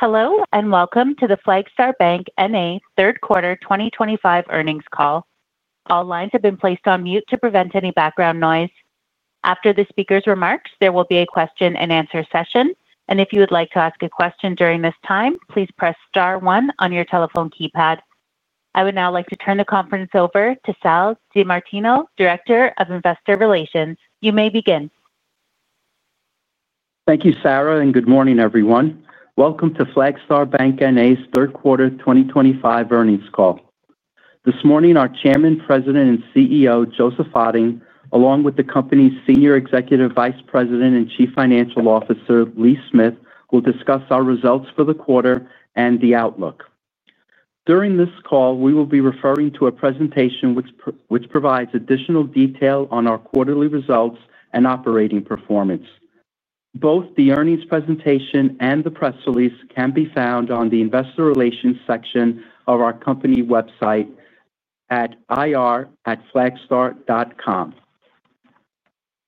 Hello and welcome to the Flagstar Bank, N.A. third quarter 2025 earnings call. All lines have been placed on mute to prevent any background noise. After the speaker's remarks, there will be a question and answer session, and if you would like to ask a question during this time, please press *1 on your telephone keypad. I would now like to turn the conference over to Salvatore DiMartino, Director of Investor Relations. You may begin. Thank you, Sarah, and good morning, everyone. Welcome to Flagstar Bank, N.A.'s third quarter 2025 earnings call. This morning, our Chairman, President, and CEO, Joseph Otting, along with the company's Senior Executive Vice President and Chief Financial Officer, Lee Smith, will discuss our results for the quarter and the outlook. During this call, we will be referring to a presentation which provides additional detail on our quarterly results and operating performance. Both the earnings presentation and the press release can be found on the Investor Relations section of our company website at ir.flagstar.com.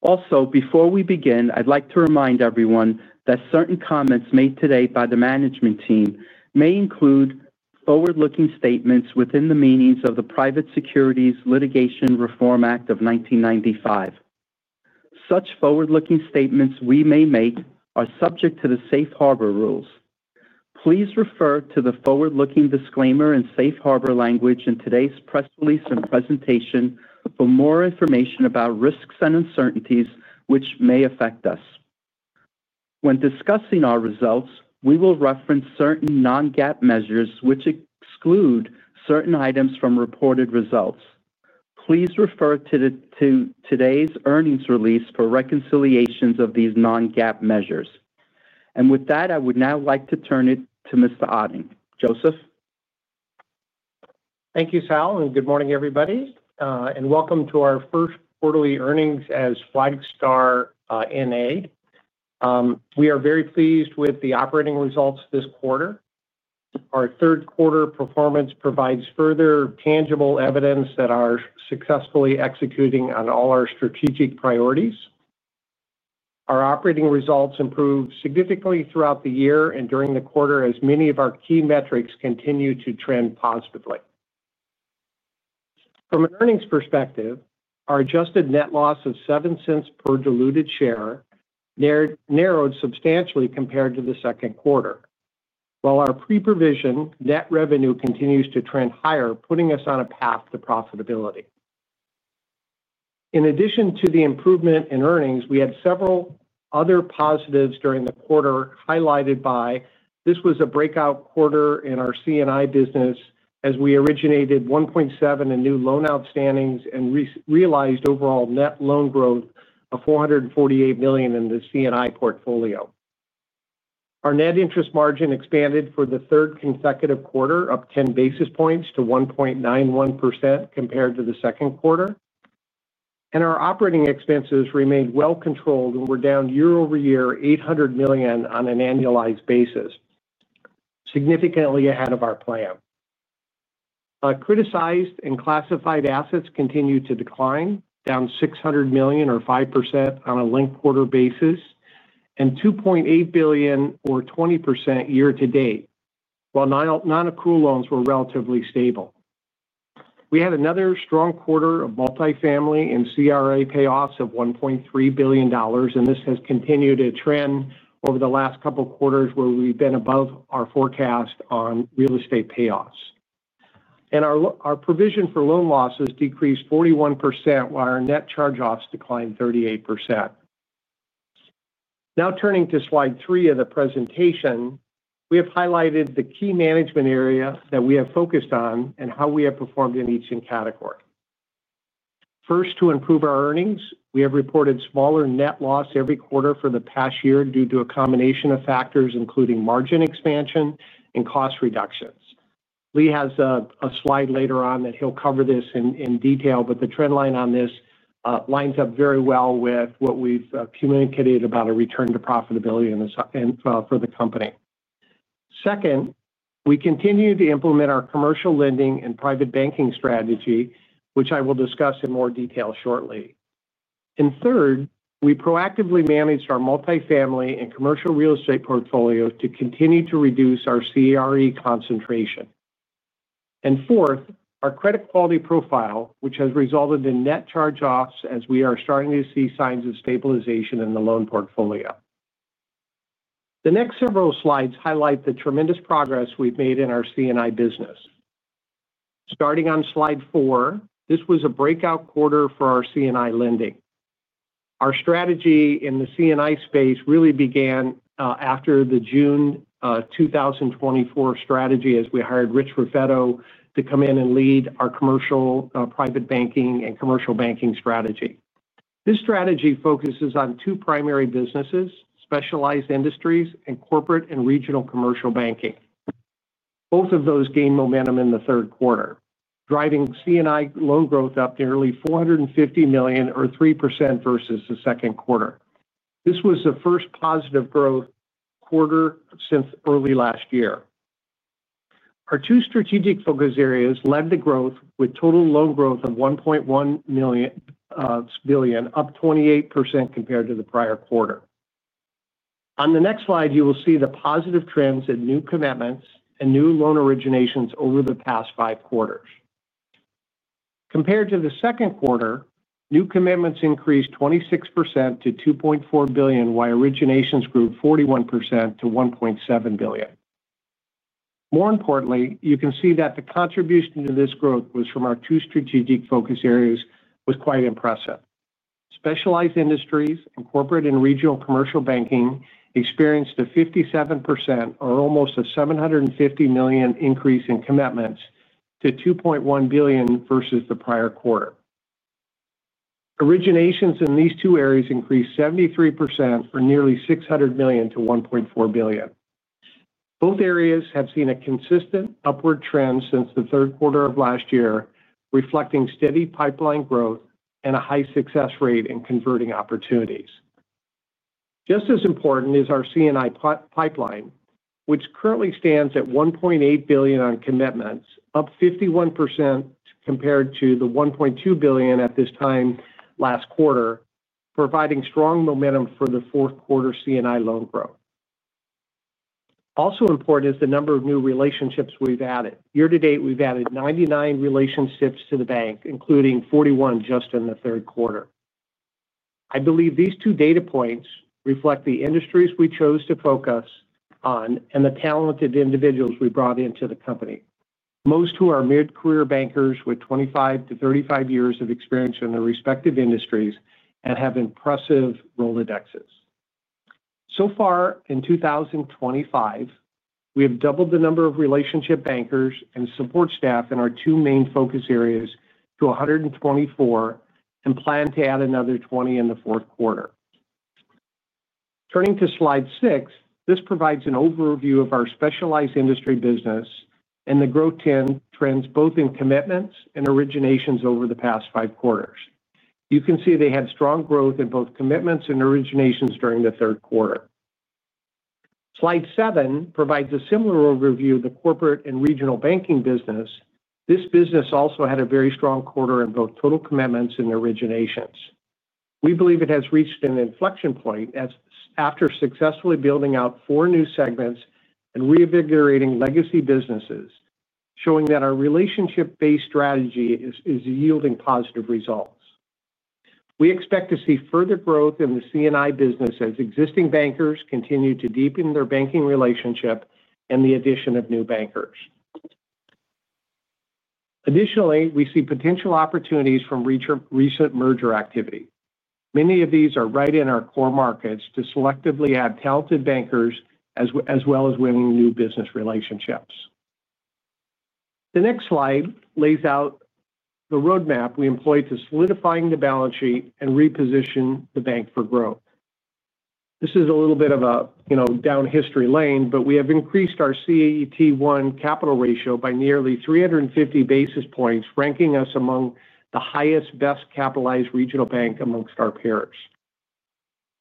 Also, before we begin, I'd like to remind everyone that certain comments made today by the management team may include forward-looking statements within the meaning of the Private Securities Litigation Reform Act of 1995. Such forward-looking statements we may make are subject to the Safe Harbor rules. Please refer to the forward-looking disclaimer and Safe Harbor language in today's press release and presentation for more information about risks and uncertainties which may affect us. When discussing our results, we will reference certain non-GAAP measures which exclude certain items from reported results. Please refer to today's earnings release for reconciliations of these non-GAAP measures. With that, I would now like to turn it to Mr. Otting. Joseph? Thank you, Sal, and good morning, everybody, and welcome to our first quarterly earnings as Flagstar N.A. We are very pleased with the operating results this quarter. Our third-quarter performance provides further tangible evidence that we are successfully executing on all our strategic priorities. Our operating results improved significantly throughout the year and during the quarter, as many of our key metrics continue to trend positively. From an earnings perspective, our adjusted net loss of $0.07 per diluted share narrowed substantially compared to the second quarter, while our pre-provision net revenue continues to trend higher, putting us on a path to profitability. In addition to the improvement in earnings, we had several other positives during the quarter highlighted by this was a breakout quarter in our C&I business as we originated $1.7 billion in new loan outstandings and realized overall net loan growth of $448 million in the C&I portfolio. Our net interest margin expanded for the third consecutive quarter, up 10 basis points to 1.91% compared to the second quarter, and our operating expenses remained well controlled and were down year-over-year $800 million on an annualized basis, significantly ahead of our plan. Criticized and classified assets continued to decline, down $600 million or 5% on a linked quarter basis and $2.8 billion or 20% year to date, while non-accrual loans were relatively stable. We had another strong quarter of multifamily and CRA payoffs of $1.3 billion, and this has continued a trend over the last couple of quarters where we've been above our forecast on real estate payoffs. Our provision for loan losses decreased 41%, while our net charge-offs declined 38%. Now turning to slide three of the presentation, we have highlighted the key management area that we have focused on and how we have performed in each category. First, to improve our earnings, we have reported smaller net loss every quarter for the past year due to a combination of factors including margin expansion and cost reductions. Lee has a slide later on that he'll cover this in detail, but the trend line on this lines up very well with what we've communicated about a return to profitability for the company. Second, we continue to implement our commercial lending and private banking strategy, which I will discuss in more detail shortly. Third, we proactively managed our multifamily and commercial real estate portfolio to continue to reduce our CRE concentration. Fourth, our credit quality profile has resulted in net charge-offs as we are starting to see signs of stabilization in the loan portfolio. The next several slides highlight the tremendous progress we've made in our C&I business. Starting on slide four, this was a breakout quarter for our C&I lending. Our strategy in the C&I space really began after the June 2024 strategy as we hired Richard Raffetto to come in and lead our commercial private banking and commercial banking strategy. This strategy focuses on two primary businesses: specialized industries and corporate and regional commercial banking. Both of those gained momentum in the third quarter, driving C&I loan growth up nearly $450 million or 3% versus the second quarter. This was the first positive growth quarter since early last year. Our two strategic focus areas led the growth with total loan growth of $1.1 billion, up 28% compared to the prior quarter. On the next slide, you will see the positive trends in new commitments and new loan originations over the past five quarters. Compared to the second quarter, new commitments increased 26% to $2.4 billion, while originations grew 41% to $1.7 billion. More importantly, you can see that the contribution to this growth from our two strategic focus areas was quite impressive. Specialized industries and corporate and regional commercial banking experienced a 57% or almost a $750 million increase in commitments to $2.1 billion versus the prior quarter. Originations in these two areas increased 73% or nearly $600 million to $1.4 billion. Both areas have seen a consistent upward trend since the third quarter of last year, reflecting steady pipeline growth and a high success rate in converting opportunities. Just as important is our C&I pipeline, which currently stands at $1.8 billion on commitments, up 51% compared to the $1.2 billion at this time last quarter, providing strong momentum for the fourth quarter C&I loan growth. Also important is the number of new relationships we've added. Year to date, we've added 99 relationships to the bank, including 41 just in the third quarter. I believe these two data points reflect the industries we chose to focus on and the talented individuals we brought into the company, most who are mid-career bankers with 25 to 35 years of experience in their respective industries and have impressive role indexes. So far, in 2025, we have doubled the number of relationship bankers and support staff in our two main focus areas to 124 and plan to add another 20 in the fourth quarter. Turning to slide six, this provides an overview of our specialized industry business and the growth trends both in commitments and originations over the past five quarters. You can see they had strong growth in both commitments and originations during the third quarter. Slide seven provides a similar overview of the corporate and regional banking business. This business also had a very strong quarter in both total commitments and originations. We believe it has reached an inflection point after successfully building out four new segments and reinvigorating legacy businesses, showing that our relationship-based strategy is yielding positive results. We expect to see further growth in the C&I business as existing bankers continue to deepen their banking relationship and the addition of new bankers. Additionally, we see potential opportunities from recent merger activity. Many of these are right in our core markets to selectively add talented bankers as well as winning new business relationships. The next slide lays out the roadmap we employed to solidify the balance sheet and reposition the bank for growth. This is a little bit of a down-history lane, but we have increased our CET1 capital ratio by nearly 350 basis points, ranking us among the highest best-capitalized regional bank amongst our peers.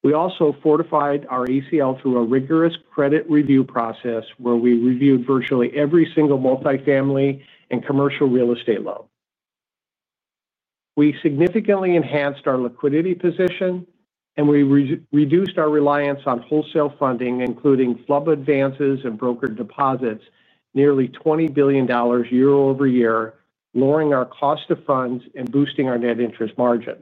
We also fortified our ACL through a rigorous credit review process where we reviewed virtually every single multifamily and commercial real estate loan. We significantly enhanced our liquidity position, and we reduced our reliance on wholesale funding, including FHLB advances and brokered deposits, nearly $20 billion year over year, lowering our cost of funds and boosting our net interest margin.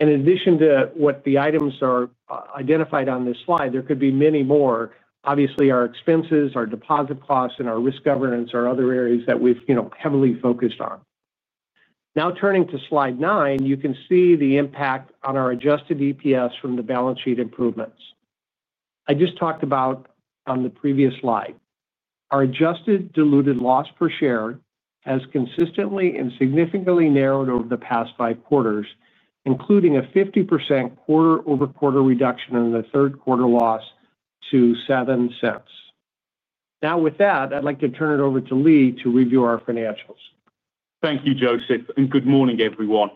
In addition to what the items are identified on this slide, there could be many more. Obviously, our expenses, our deposit costs, and our risk governance are other areas that we've heavily focused on. Now turning to slide nine, you can see the impact on our adjusted EPS from the balance sheet improvements. I just talked about on the previous slide. Our adjusted diluted loss per share has consistently and significantly narrowed over the past five quarters, including a 50% quarter-over-quarter reduction in the third quarter loss to $0.07. Now, with that, I'd like to turn it over to Lee to review our financials. Thank you, Joseph, and good morning, everyone.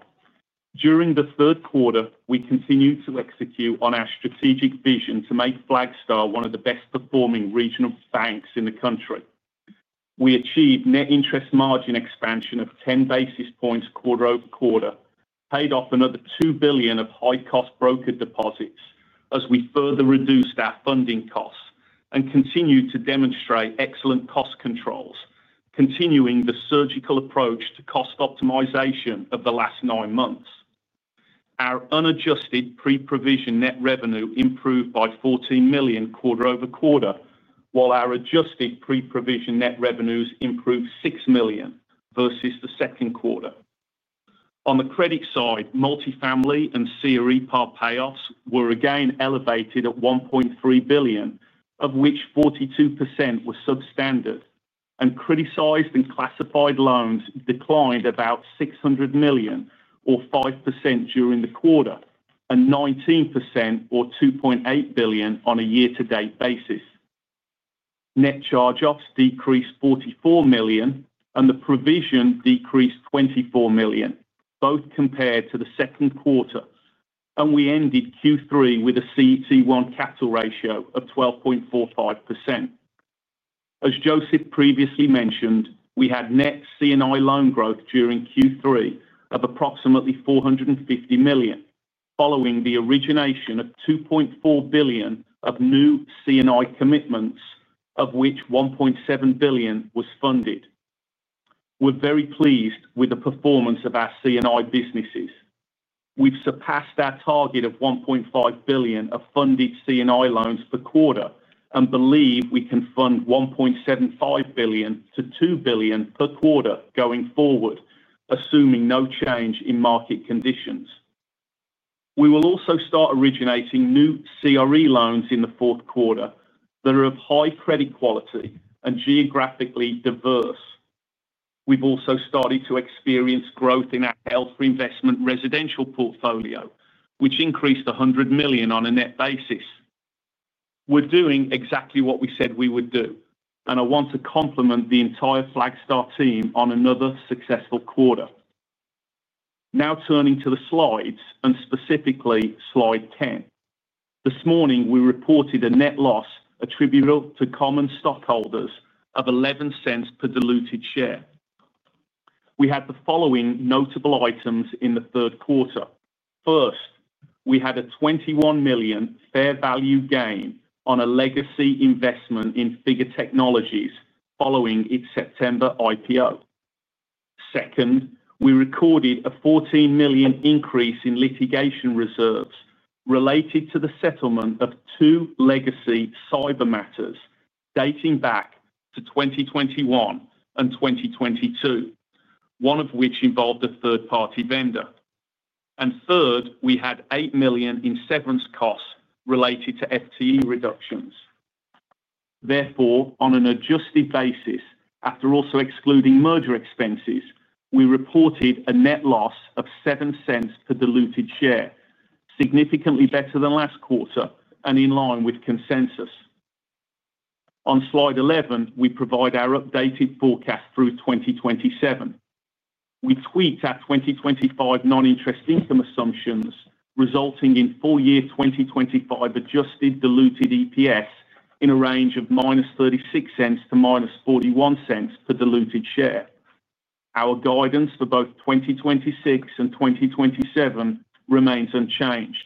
During the third quarter, we continued to execute on our strategic vision to make Flagstar one of the best-performing regional banks in the country. We achieved net interest margin expansion of 10 basis points quarter over quarter, paid off another $2 billion of high-cost brokered deposits as we further reduced our funding costs, and continued to demonstrate excellent cost controls, continuing the surgical approach to cost optimization of the last nine months. Our unadjusted pre-provision net revenue improved by $14 million quarter over quarter, while our adjusted pre-provision net revenues improved $6 million versus the second quarter. On the credit side, multifamily and CRE payoffs were again elevated at $1.3 billion, of which 42% were substandard, and criticized and classified loans declined about $600 million or 5% during the quarter and 19% or $2.8 billion on a year-to-date basis. Net charge-offs decreased $44 million, and the provision decreased $24 million, both compared to the second quarter, and we ended Q3 with a CET1 capital ratio of 12.45%. As Joseph previously mentioned, we had net C&I loan growth during Q3 of approximately $450 million following the origination of $2.4 billion of new C&I commitments, of which $1.7 billion was funded. We're very pleased with the performance of our C&I businesses. We've surpassed our target of $1.5 billion of funded C&I loans per quarter and believe we can fund $1.75 billion to $2 billion per quarter going forward, assuming no change in market conditions. We will also start originating new CRE loans in the fourth quarter that are of high credit quality and geographically diverse. We've also started to experience growth in our health investment residential portfolio, which increased $100 million on a net basis. We're doing exactly what we said we would do, and I want to compliment the entire Flagstar team on another successful quarter. Now turning to the slides and specifically slide 10. This morning, we reported a net loss attributable to common stockholders of $0.11 per diluted share. We had the following notable items in the third quarter. First, we had a $21 million fair value gain on a legacy investment in Figure Technologies following its September IPO. Second, we recorded a $14 million increase in litigation reserves related to the settlement of two legacy cyber matters dating back to 2021 and 2022, one of which involved a third-party vendor. Third, we had $8 million in severance costs related to FTE reductions. Therefore, on an adjusted basis, after also excluding merger expenses, we reported a net loss of $0.07 per diluted share, significantly better than last quarter and in line with consensus. On slide 11, we provide our updated forecast through 2027. We tweaked our 2025 non-interest income assumptions, resulting in full-year 2025 adjusted diluted EPS in a range of minus $0.36 to minus $0.41 per diluted share. Our guidance for both 2026 and 2027 remains unchanged.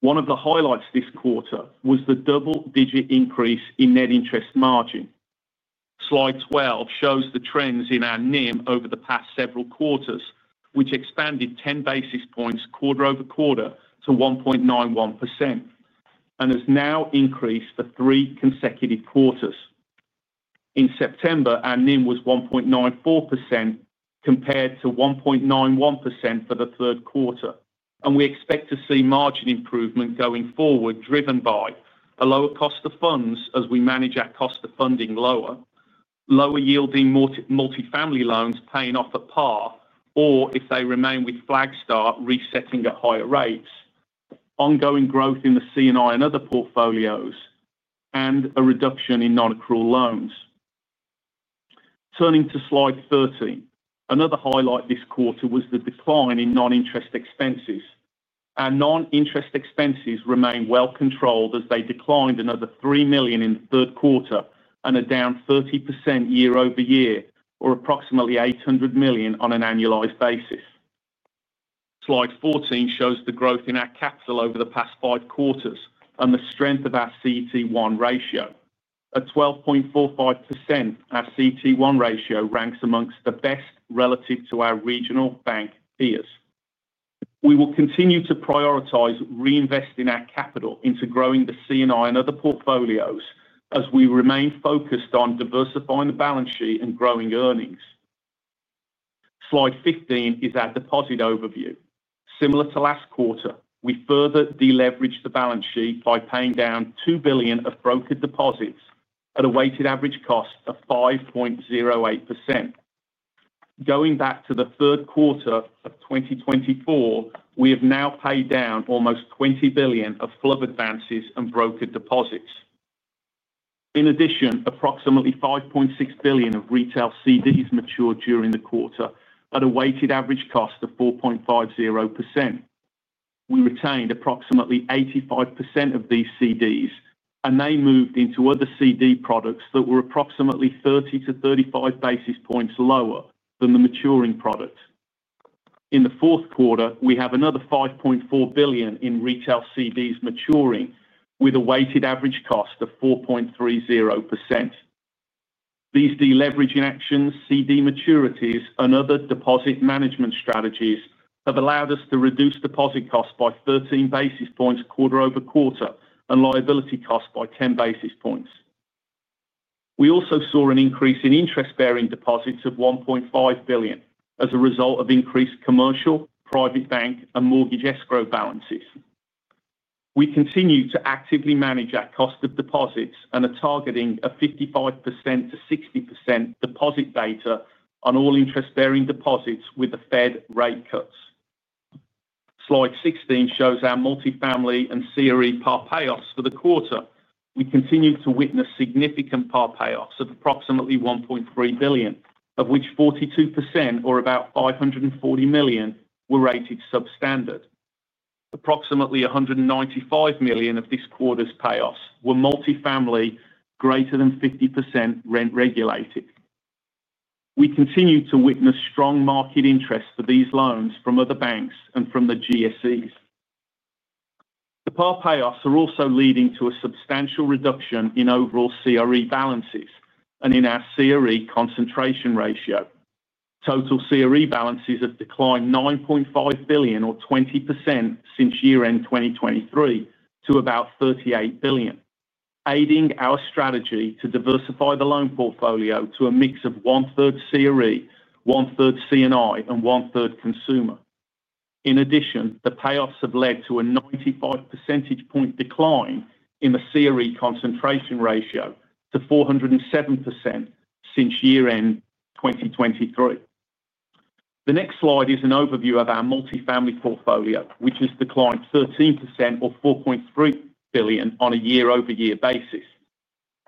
One of the highlights this quarter was the double-digit increase in net interest margin. Slide 12 shows the trends in our NIM over the past several quarters, which expanded 10 basis points quarter over quarter to 1.91% and has now increased for three consecutive quarters. In September, our NIM was 1.94% compared to 1.91% for the third quarter, and we expect to see margin improvement going forward, driven by a lower cost of funds as we manage our cost of funding lower, lower yielding multifamily loans paying off at par, or if they remain with Flagstar, resetting at higher rates, ongoing growth in the C&I and other portfolios, and a reduction in non-accrual loans. Turning to slide 30, another highlight this quarter was the decline in non-interest expenses. Our non-interest expenses remain well controlled as they declined another $3 million in the third quarter and are down 30% year over year, or approximately $800 million on an annualized basis. Slide 14 shows the growth in our capital over the past five quarters and the strength of our CET1 ratio. At 12.45%, our CET1 ratio ranks amongst the best relative to our regional bank peers. We will continue to prioritize reinvesting our capital into growing the C&I and other portfolios as we remain focused on diversifying the balance sheet and growing earnings. Slide 15 is our deposit overview. Similar to last quarter, we further deleveraged the balance sheet by paying down $2 billion of brokered deposits at a weighted average cost of 5.08%. Going back to the third quarter of 2024, we have now paid down almost $20 billion of FHLB advances and brokered deposits. In addition, approximately $5.6 billion of retail CDs matured during the quarter at a weighted average cost of 4.50%. We retained approximately 85% of these CDs, and they moved into other CD products that were approximately 30 to 35 basis points lower than the maturing product. In the fourth quarter, we have another $5.4 billion in retail CDs maturing with a weighted average cost of 4.30%. These deleveraging actions, CD maturities, and other deposit management strategies have allowed us to reduce deposit costs by 13 basis points quarter over quarter and liability costs by 10 basis points. We also saw an increase in interest-bearing deposits of $1.5 billion as a result of increased commercial, private banking, and mortgage escrow balances. We continue to actively manage our cost of deposits and are targeting a 55% to 60% deposit beta on all interest-bearing deposits with the Fed rate cuts. Slide 16 shows our multifamily and CRE payoffs for the quarter. We continue to witness significant payoffs of approximately $1.3 billion, of which 42% or about $540 million were rated substandard. Approximately $195 million of this quarter's payoffs were multifamily greater than 50% rent-regulated. We continue to witness strong market interest for these loans from other banks and from the GSEs. The payoffs are also leading to a substantial reduction in overall CRE balances and in our CRE concentration ratio. Total CRE balances have declined $9.5 billion or 20% since year-end 2023 to about $38 billion, aiding our strategy to diversify the loan portfolio to a mix of one-third CRE, one-third C&I, and one-third consumer. In addition, the payoffs have led to a 95 basis point decline in the CRE concentration ratio to 407% since year-end 2023. The next slide is an overview of our multifamily portfolio, which has declined 13% or $4.3 billion on a year-over-year basis.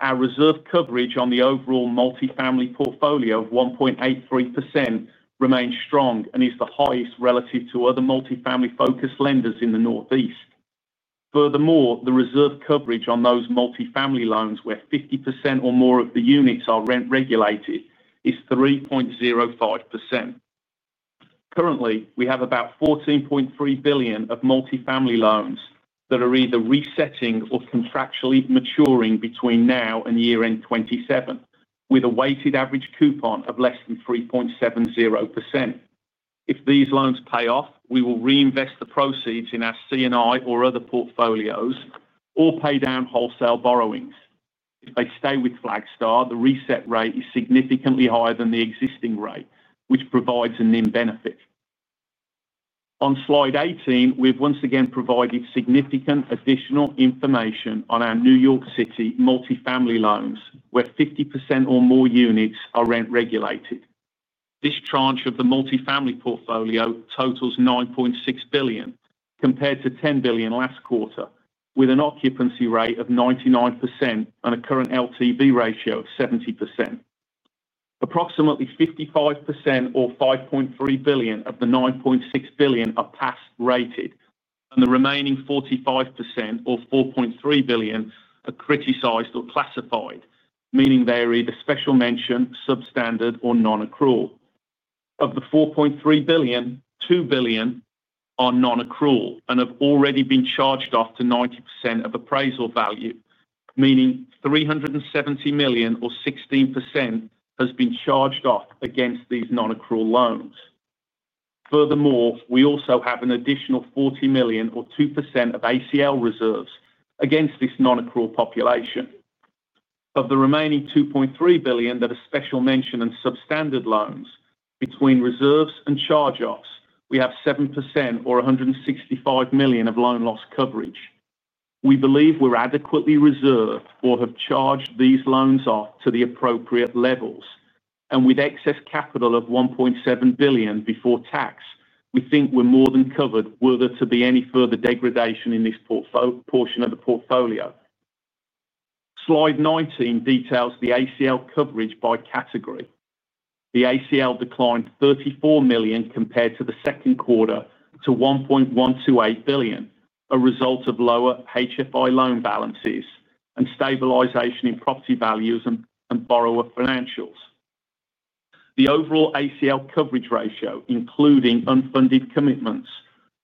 Our reserve coverage on the overall multifamily portfolio of 1.83% remains strong and is the highest relative to other multifamily-focused lenders in the Northeast. Furthermore, the reserve coverage on those multifamily loans where 50% or more of the units are rent-regulated is 3.05%. Currently, we have about $14.3 billion of multifamily loans that are either resetting or contractually maturing between now and year-end 2027, with a weighted average coupon of less than 3.70%. If these loans pay off, we will reinvest the proceeds in our C&I or other portfolios or pay down wholesale borrowings. If they stay with Flagstar, the reset rate is significantly higher than the existing rate, which provides a NIM benefit. On slide 18, we have once again provided significant additional information on our New York City multifamily loans where 50% or more units are rent-regulated. This tranche of the multifamily portfolio totals $9.6 billion compared to $10 billion last quarter, with an occupancy rate of 99% and a current LTV ratio of 70%. Approximately 55% or $5.3 billion of the $9.6 billion are pass-rated, and the remaining 45% or $4.3 billion are criticized or classified, meaning they are either special mention, substandard, or non-accrual. Of the $4.3 billion, $2 billion are non-accrual and have already been charged off to 90% of appraisal value, meaning $370 million or 16% has been charged off against these non-accrual loans. Furthermore, we also have an additional $40 million or 2% of ACL reserves against this non-accrual population. Of the remaining $2.3 billion that are special mention and substandard loans, between reserves and charge-offs, we have 7% or $165 million of loan loss coverage. We believe we're adequately reserved or have charged these loans off to the appropriate levels, and with excess capital of $1.7 billion before tax, we think we're more than covered should there be any further degradation in this portion of the portfolio. Slide 19 details the ACL coverage by category. The ACL declined $34 million compared to the second quarter to $1.128 billion, a result of lower HFI loan balances and stabilization in property values and borrower financials. The overall ACL coverage ratio, including unfunded commitments,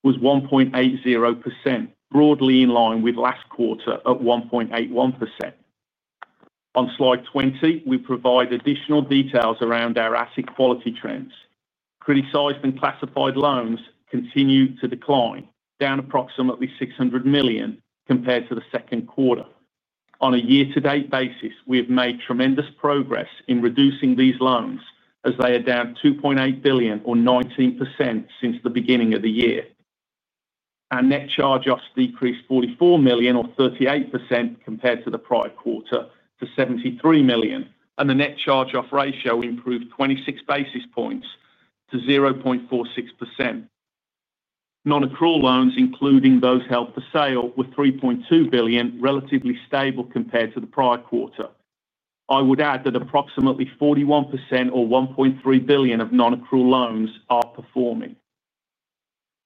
was 1.80%, broadly in line with last quarter at 1.81%. On slide 20, we provide additional details around our asset quality trends. Criticized and classified loans continue to decline, down approximately $600 million compared to the second quarter. On a year-to-date basis, we have made tremendous progress in reducing these loans as they are down $2.8 billion or 19% since the beginning of the year. Our net charge-offs decreased $44 million or 38% compared to the prior quarter to $73 million, and the net charge-off ratio improved 26 basis points to 0.46%. Non-accrual loans, including those held for sale, were $3.2 billion, relatively stable compared to the prior quarter. I would add that approximately 41% or $1.3 billion of non-accrual loans are performing.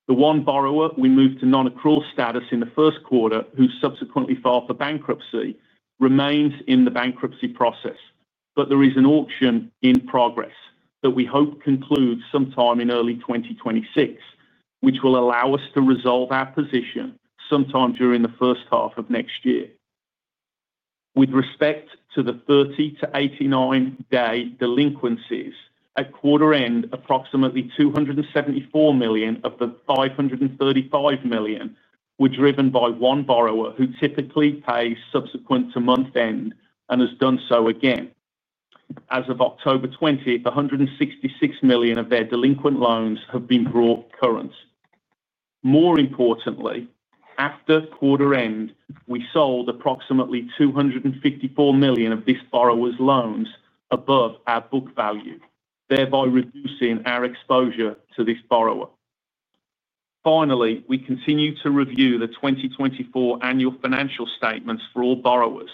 The one borrower we moved to non-accrual status in the first quarter, who subsequently filed for bankruptcy, remains in the bankruptcy process. There is an auction in progress that we hope concludes sometime in early 2026, which will allow us to resolve our position sometime during the first half of next year. With respect to the 30 to 89-day delinquencies, at quarter end, approximately $274 million of the $535 million were driven by one borrower who typically pays subsequent to month end and has done so again. As of October 20, $166 million of their delinquent loans have been brought current. More importantly, after quarter end, we sold approximately $254 million of this borrower's loans above our book value, thereby reducing our exposure to this borrower. Finally, we continue to review the 2024 annual financial statements for all borrowers,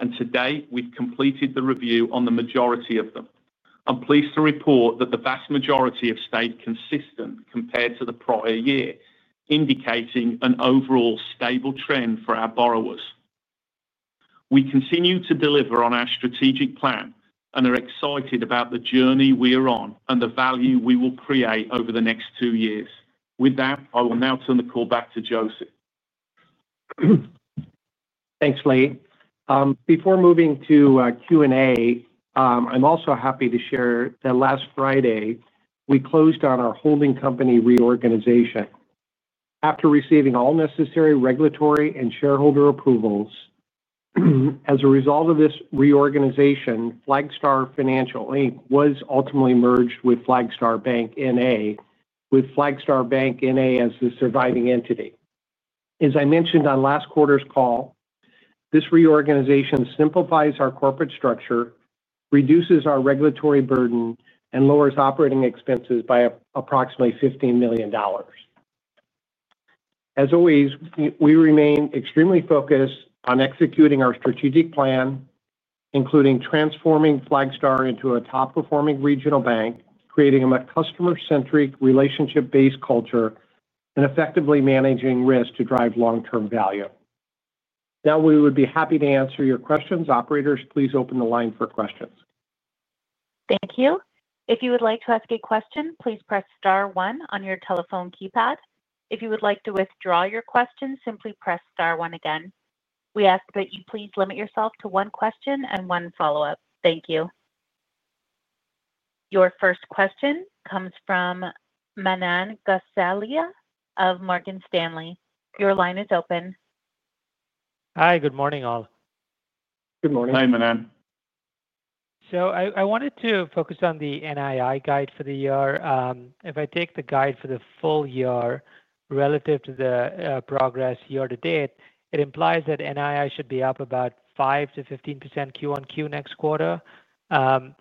and today we've completed the review on the majority of them. I'm pleased to report that the vast majority have stayed consistent compared to the prior year, indicating an overall stable trend for our borrowers. We continue to deliver on our strategic plan and are excited about the journey we are on and the value we will create over the next two years. With that, I will now turn the call back to Joseph. Thanks, Lee. Before moving to Q&A, I'm also happy to share that last Friday we closed on our holding company reorganization. After receiving all necessary regulatory and shareholder approvals, as a result of this reorganization, Flagstar Financial, Inc. was ultimately merged with Flagstar Bank, N.A., with Flagstar Bank, N.A. as the surviving entity. As I mentioned on last quarter's call, this reorganization simplifies our corporate structure, reduces our regulatory burden, and lowers operating expenses by approximately $15 million. As always, we remain extremely focused on executing our strategic plan, including transforming Flagstar into a top-performing regional bank, creating a customer-centric relationship-based culture, and effectively managing risk to drive long-term value. Now, we would be happy to answer your questions. Operators, please open the line for questions. Thank you. If you would like to ask a question, please press *1 on your telephone keypad. If you would like to withdraw your question, simply press *1 again. We ask that you please limit yourself to one question and one follow-up. Thank you. Your first question comes from Manan Gosalia of Morgan Stanley. Your line is open. Hi, good morning all. Good morning. Hi, Manan. I wanted to focus on the NII guide for the year. If I take the guide for the full year relative to the progress year to date, it implies that NII should be up about 5%-15% quarter over quarter next quarter.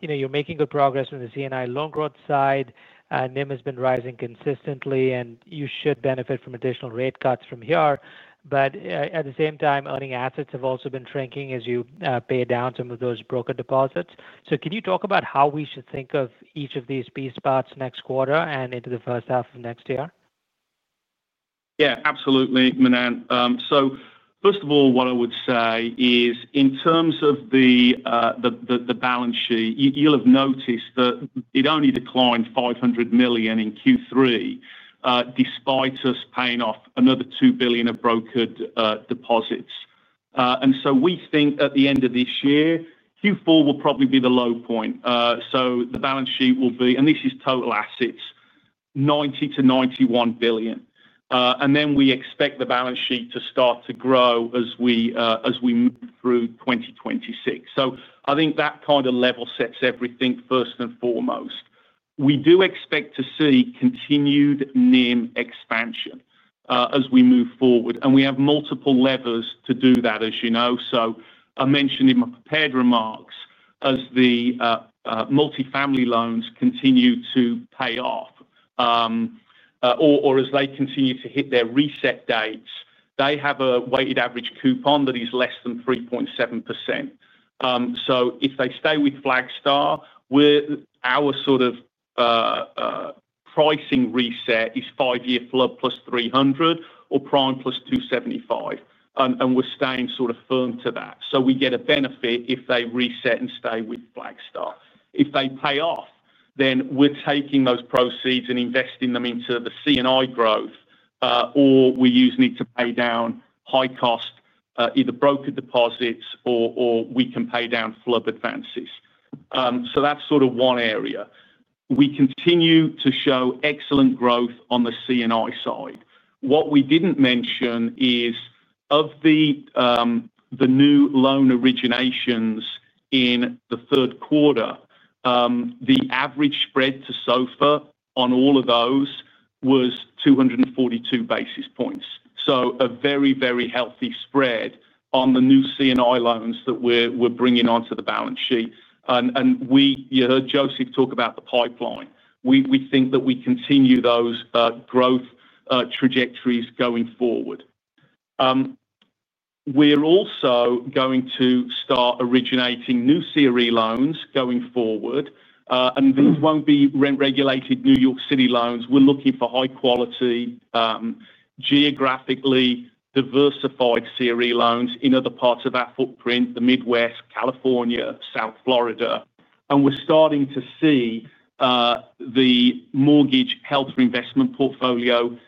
You know you're making good progress on the C&I loan growth side. NIM has been rising consistently, and you should benefit from additional rate cuts from here. At the same time, earning assets have also been shrinking as you pay down some of those brokered deposits. Can you talk about how we should think of each of these spots next quarter and into the first half of next year? Yeah, absolutely, Manan. First of all, what I would say is in terms of the balance sheet, you'll have noticed that it only declined $500 million in Q3, despite us paying off another $2 billion of brokered deposits. We think at the end of this year, Q4 will probably be the low point. The balance sheet will be, and this is total assets, $90 billion-$91 billion. We expect the balance sheet to start to grow as we move through 2026. I think that kind of level sets everything first and foremost. We do expect to see continued NIM expansion as we move forward, and we have multiple levers to do that, as you know. I mentioned in my prepared remarks, as the multifamily loans continue to pay off or as they continue to hit their reset dates, they have a weighted average coupon that is less than 3.7%. If they stay with Flagstar, our sort of pricing reset is five-year FHLB plus $300 or prime plus $275, and we're staying sort of firm to that. We get a benefit if they reset and stay with Flagstar. If they pay off, then we're taking those proceeds and investing them into the C&I growth, or we use need to pay down high-cost either brokered deposits or we can pay down FHLB advances. That's sort of one area. We continue to show excellent growth on the C&I side. What we didn't mention is of the new loan originations in the third quarter, the average spread to SOFR on all of those was 242 basis points. A very, very healthy spread on the new C&I loans that we're bringing onto the balance sheet. You heard Joseph talk about the pipeline. We think that we continue those growth trajectories going forward. We're also going to start originating new CRE loans going forward, and these won't be rent-regulated New York City loans. We're looking for high-quality, geographically diversified CRE loans in other parts of our footprint, the Midwest, California, South Florida. We're starting to see the mortgage health investment portfolio increase,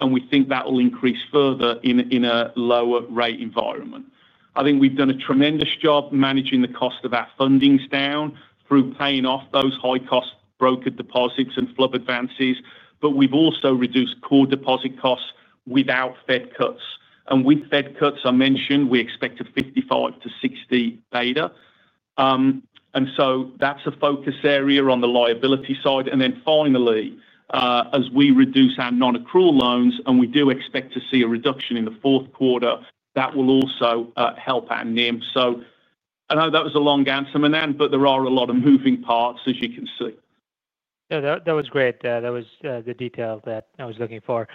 and we think that will increase further in a lower-rate environment. I think we've done a tremendous job managing the cost of our fundings down through paying off those high-cost brokered deposits and FHLB advances, but we've also reduced core deposit costs without Fed cuts. With Fed cuts, I mentioned we expect a 55 to 60 beta. That's a focus area on the liability side. Finally, as we reduce our non-accrual loans, and we do expect to see a reduction in the fourth quarter, that will also help our NIM. I know that was a long answer, Manan, but there are a lot of moving parts, as you can see. Yeah, that was great. That was the detail that I was looking for.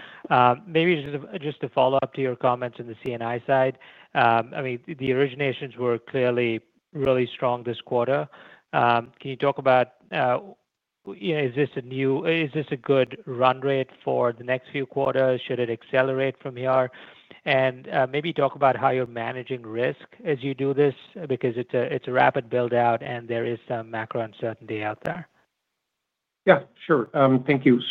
Maybe just to follow up to your comments on the C&I side, I mean, the originations were clearly really strong this quarter. Can you talk about, you know, is this a new, is this a good run rate for the next few quarters? Should it accelerate from here? Maybe talk about how you're managing risk as you do this because it's a rapid build-out and there is some macro uncertainty out there. Thank you.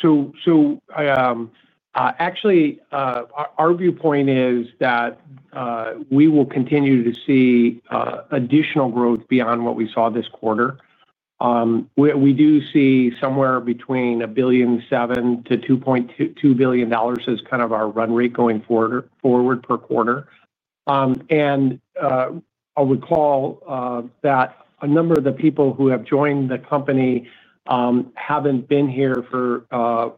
Actually, our viewpoint is that we will continue to see additional growth beyond what we saw this quarter. We do see somewhere between $1.7 billion-$2.2 billion as kind of our run rate going forward per quarter. I would call that a number of the people who have joined the company haven't been here for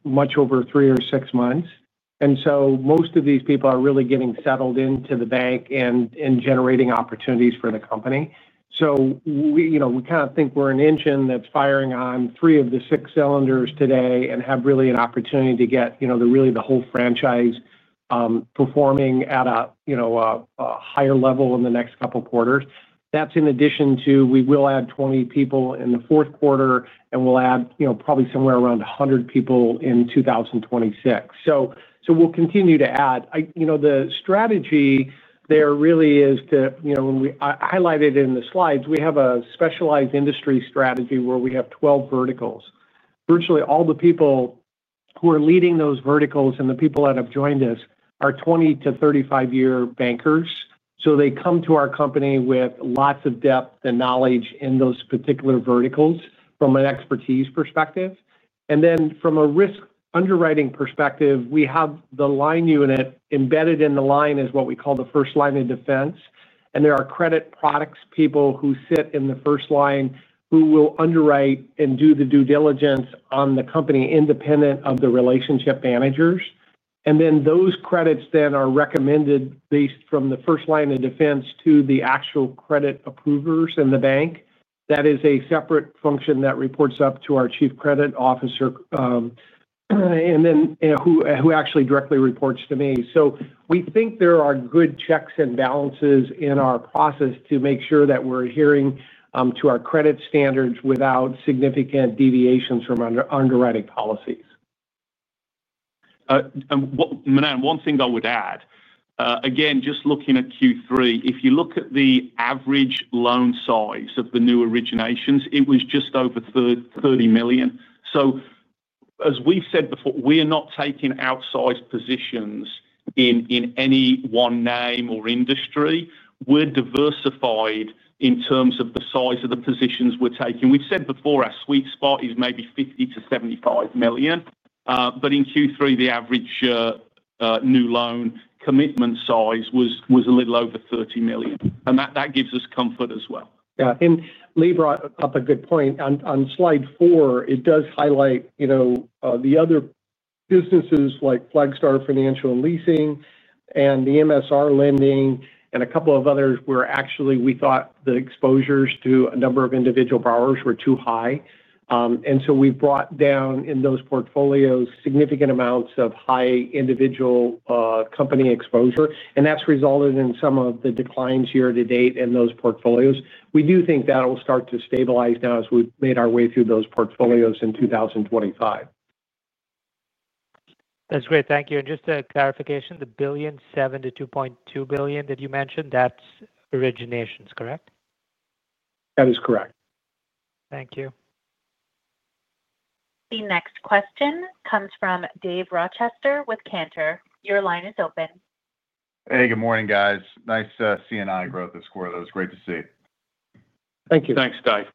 much over three or six months. Most of these people are really getting settled into the bank and generating opportunities for the company. We kind of think we're an engine that's firing on three of the six cylinders today and have really an opportunity to get the whole franchise performing at a higher level in the next couple of quarters. That's in addition to we will add 20 people in the fourth quarter and we'll add probably somewhere around 100 people in 2026. We'll continue to add. The strategy there really is to, when we highlighted in the slides, we have a specialized industry strategy where we have 12 verticals. Virtually all the people who are leading those verticals and the people that have joined us are 20 to 35-year bankers. They come to our company with lots of depth and knowledge in those particular verticals from an expertise perspective. From a risk underwriting perspective, we have the line unit embedded in the line as what we call the first line of defense. There are credit products people who sit in the first line who will underwrite and do the due diligence on the company independent of the relationship managers. Those credits then are recommended based from the first line of defense to the actual credit approvers in the bank. That is a separate function that reports up to our Chief Credit Officer and then who actually directly reports to me. We think there are good checks and balances in our process to make sure that we're adhering to our credit standards without significant deviations from underwriting policies. Manan, one thing I would add, just looking at Q3, if you look at the average loan size of the new originations, it was just over $30 million. As we've said before, we are not taking outsized positions in any one name or industry. We're diversified in terms of the size of the positions we're taking. We've said before, our sweet spot is maybe $50 million-$75 million. In Q3, the average new loan commitment size was a little over $30 million, and that gives us comfort as well. Yeah, Lee brought up a good point. On slide four, it does highlight the other businesses like Flagstar Financial and Leasing and the MSR lending and a couple of others where we thought the exposures to a number of individual borrowers were too high. We have brought down in those portfolios significant amounts of high individual company exposure, and that's resulted in some of the declines year to date in those portfolios. We do think that will start to stabilize now as we've made our way through those portfolios in 2025. That's great. Thank you. Just a clarification, the $1.7 billion-$2.2 billion that you mentioned, that's originations, correct? That is correct. Thank you. The next question comes from Dave Rochester with Cantor. Your line is open. Hey, good morning, guys. Nice C&I growth this quarter. That was great to see. Thank you. Thanks, Dave.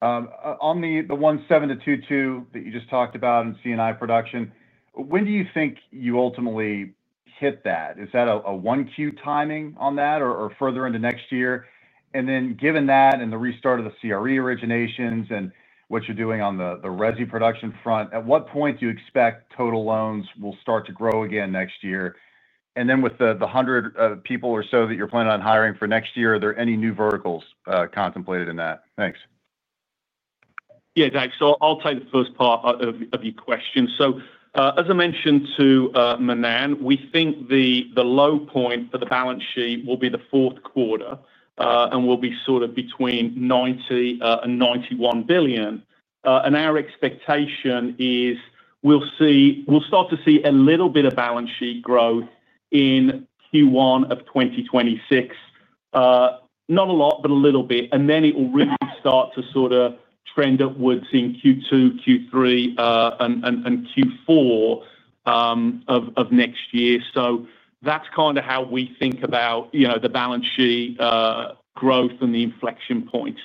On the $1.7 billion-$2.2 billion that you just talked about in C&I production, when do you think you ultimately hit that? Is that a 1Q timing on that or further into next year? Given that and the restart of the CRE originations and what you're doing on the RESI production front, at what point do you expect total loans will start to grow again next year? With the 100 people or so that you're planning on hiring for next year, are there any new verticals contemplated in that? Thanks. Yeah, Dave. I'll take the first part of your question. As I mentioned to Manan, we think the low point for the balance sheet will be the fourth quarter and will be sort of between $90 billion, $91 billion. Our expectation is we'll start to see a little bit of balance sheet growth in Q1 of 2026, not a lot, but a little bit. It will really start to trend upwards in Q2, Q3, and Q4 of next year. That's kind of how we think about the balance sheet growth and the inflection point.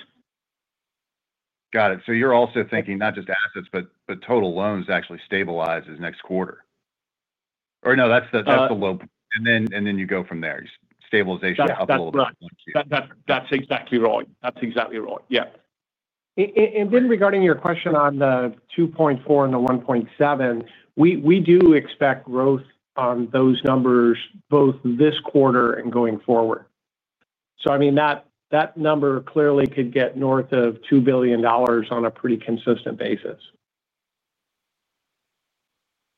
Got it. You're also thinking not just assets, but total loans actually stabilize this next quarter? No, that's the low point, and then you go from there. Stabilization up a little bit in 1Q. That's exactly right. That's exactly right. Yeah. Regarding your question on the $2.4 billion and the $1.7 billion, we do expect growth on those numbers both this quarter and going forward. That number clearly could get north of $2 billion on a pretty consistent basis.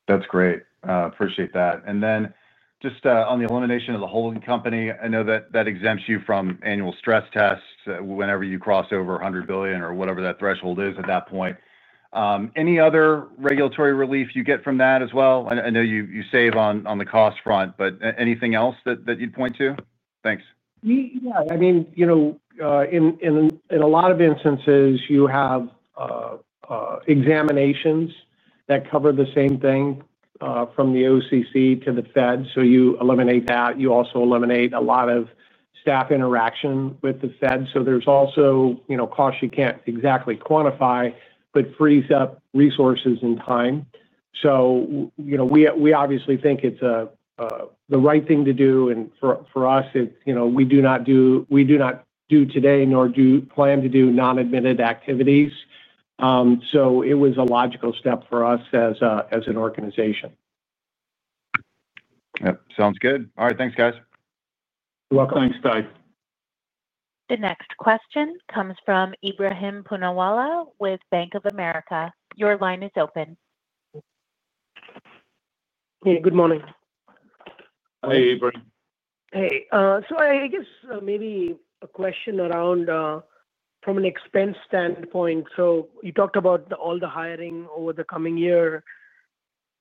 That's great. Appreciate that. On the elimination of the holding company, I know that exempts you from annual stress tests whenever you cross over $100 billion or whatever that threshold is at that point. Any other regulatory relief you get from that as well? I know you save on the cost front, but anything else that you'd point to? Thanks. In a lot of instances, you have examinations that cover the same thing from the OCC to the Fed. You eliminate that. You also eliminate a lot of staff interaction with the Fed. There are also costs you can't exactly quantify, but it frees up resources and time. We obviously think it's the right thing to do. For us, we do not do today nor do we plan to do non-admitted activities. It was a logical step for us as an organization. Yep, sounds good. All right, thanks, guys. You're welcome. Thanks, Dave. The next question comes from Ebrahim Poonawala with Bank of America. Your line is open. Hey, good morning. Hi, Ebrahim. I guess maybe a question around from an expense standpoint. You talked about all the hiring over the coming year.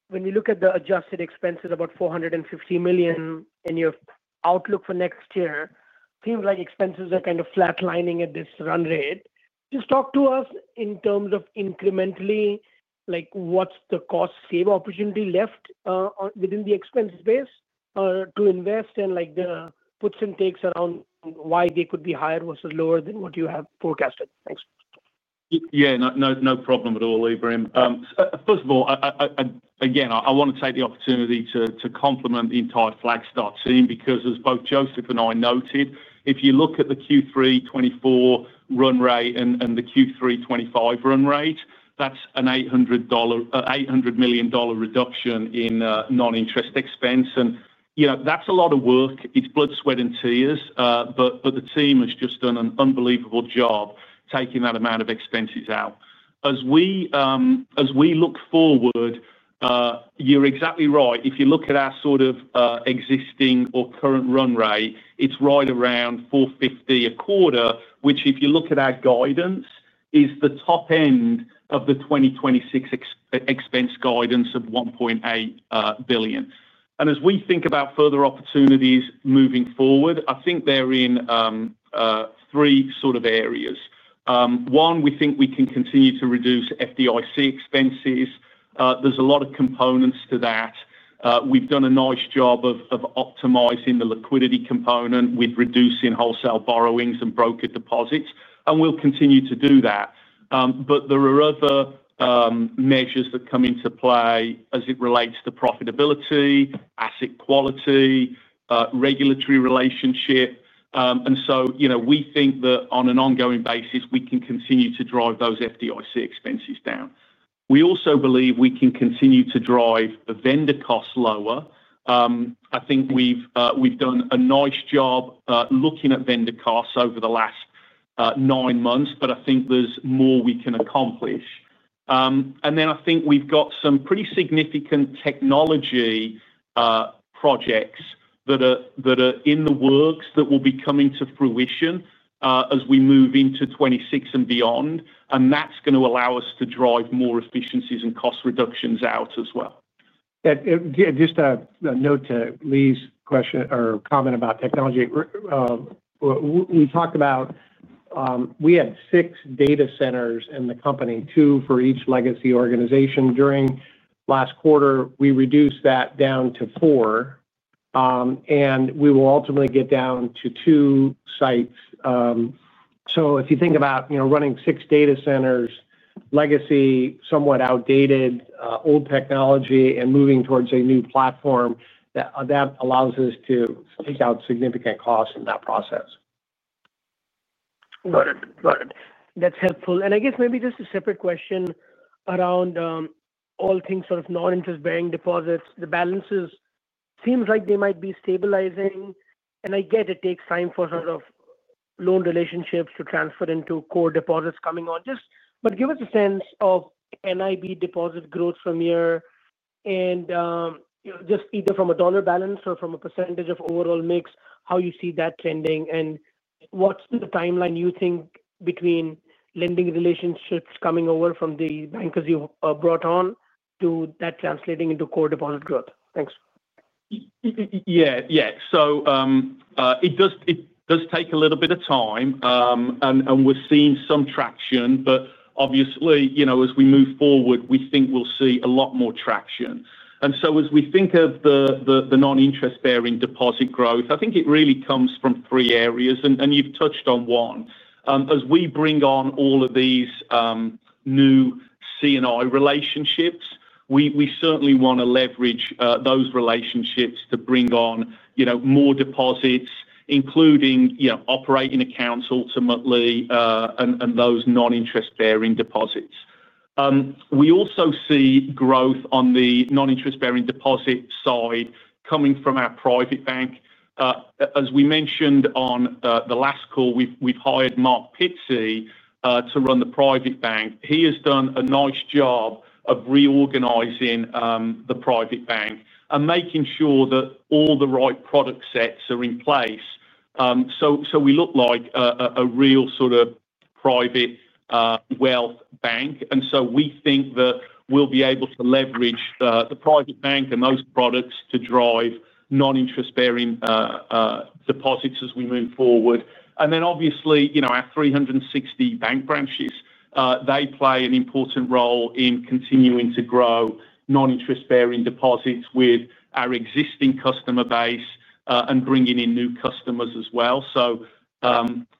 When you look at the adjusted expenses of about $450 million in your outlook for next year, it seems like expenses are kind of flatlining at this run rate. Just talk to us in terms of incrementally, like what's the cost save opportunity left within the expense space to invest and like the puts and takes around why they could be higher versus lower than what you have forecasted. Thanks. Yeah, no problem at all, Ebrahim. First of all, again, I want to take the opportunity to compliment the entire Flagstar team because as both Joseph and I noted, if you look at the Q3 2024 run rate and the Q3 2025 run rate, that's an $800 million reduction in non-interest expense. You know, that's a lot of work. It's blood, sweat, and tears, but the team has just done an unbelievable job taking that amount of expenses out. As we look forward, you're exactly right. If you look at our sort of existing or current run rate, it's right around $450 million a quarter, which if you look at our guidance, is the top end of the 2026 expense guidance of $1.8 billion. As we think about further opportunities moving forward, I think they're in three sort of areas. One, we think we can continue to reduce FDIC expenses. There's a lot of components to that. We've done a nice job of optimizing the liquidity component with reducing wholesale borrowings and brokered deposits, and we'll continue to do that. There are other measures that come into play as it relates to profitability, asset quality, regulatory relationship. We think that on an ongoing basis, we can continue to drive those FDIC expenses down. We also believe we can continue to drive the vendor costs lower. I think we've done a nice job looking at vendor costs over the last nine months, but I think there's more we can accomplish. I think we've got some pretty significant technology projects that are in the works that will be coming to fruition as we move into 2026 and beyond. That's going to allow us to drive more efficiencies and cost reductions out as well. Yeah, just a note to Lee's question or comment about technology. We talked about we had six data centers in the company, two for each legacy organization. During last quarter, we reduced that down to four, and we will ultimately get down to two sites. If you think about, you know, running six data centers, legacy, somewhat outdated, old technology, and moving towards a new platform, that allows us to take out significant costs in that process. Got it. That's helpful. I guess maybe just a separate question around all things sort of non-interest-bearing deposits. The balances seem like they might be stabilizing. I get it takes time for sort of loan relationships to transfer into core deposits coming on. Just give us a sense of NIB deposit growth from here, and just either from a dollar balance or from a percentage of overall mix, how you see that trending, and what's the timeline you think between lending relationships coming over from the bankers you've brought on to that translating into core deposit growth? Thanks. It does take a little bit of time, and we're seeing some traction, but obviously, as we move forward, we think we'll see a lot more traction. As we think of the non-interest-bearing deposit growth, I think it really comes from three areas, and you've touched on one. As we bring on all of these new C&I relationships, we certainly want to leverage those relationships to bring on more deposits, including operating accounts ultimately, and those non-interest-bearing deposits. We also see growth on the non-interest-bearing deposit side coming from our private bank. As we mentioned on the last call, we've hired Mark Pittsey to run the private bank. He has done a nice job of reorganizing the private bank and making sure that all the right product sets are in place. We look like a real sort of private wealth bank. We think that we'll be able to leverage the private bank and those products to drive non-interest-bearing deposits as we move forward. Obviously, our 360 bank branches play an important role in continuing to grow non-interest-bearing deposits with our existing customer base and bringing in new customers as well.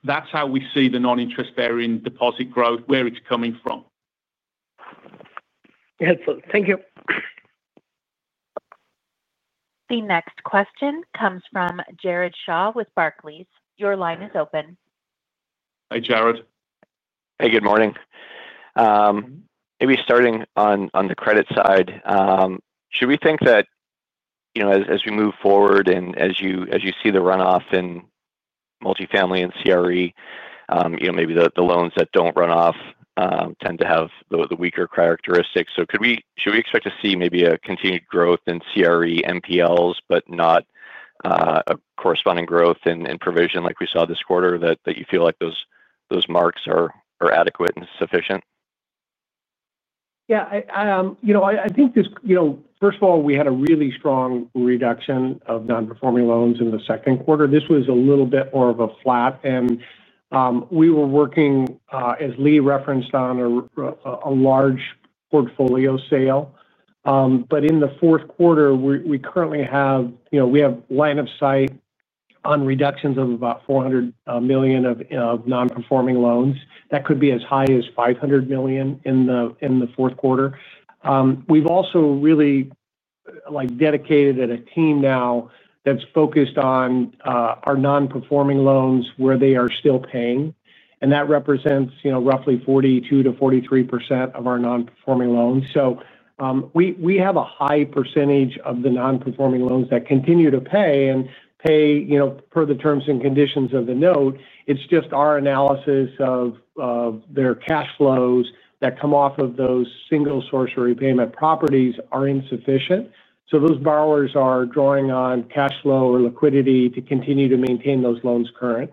That's how we see the non-interest-bearing deposit growth, where it's coming from. Excellent. Thank you. The next question comes from Jared Shaw with Barclays. Your line is open. Hey, Jared. Hey, good morning. Maybe starting on the credit side, should we think that, as we move forward and as you see the runoff in multifamily and CRE, maybe the loans that don't run off tend to have the weaker characteristics? Should we expect to see maybe a continued growth in CRE NPLs, but not a corresponding growth in provision like we saw this quarter, that you feel like those marks are adequate and sufficient? I think this, first of all, we had a really strong reduction of non-performing loans in the second quarter. This was a little bit more of a flat, and we were working, as Lee referenced, on a large portfolio sale. In the fourth quarter, we currently have line of sight on reductions of about $400 million of non-performing loans. That could be as high as $500 million in the fourth quarter. We've also really dedicated a team now that's focused on our non-performing loans where they are still paying. That represents roughly 42%-43% of our non-performing loans. We have a high percentage of the non-performing loans that continue to pay and pay per the terms and conditions of the note. It's just our analysis of their cash flows that come off of those single source or repayment properties are insufficient. Those borrowers are drawing on cash flow or liquidity to continue to maintain those loans current.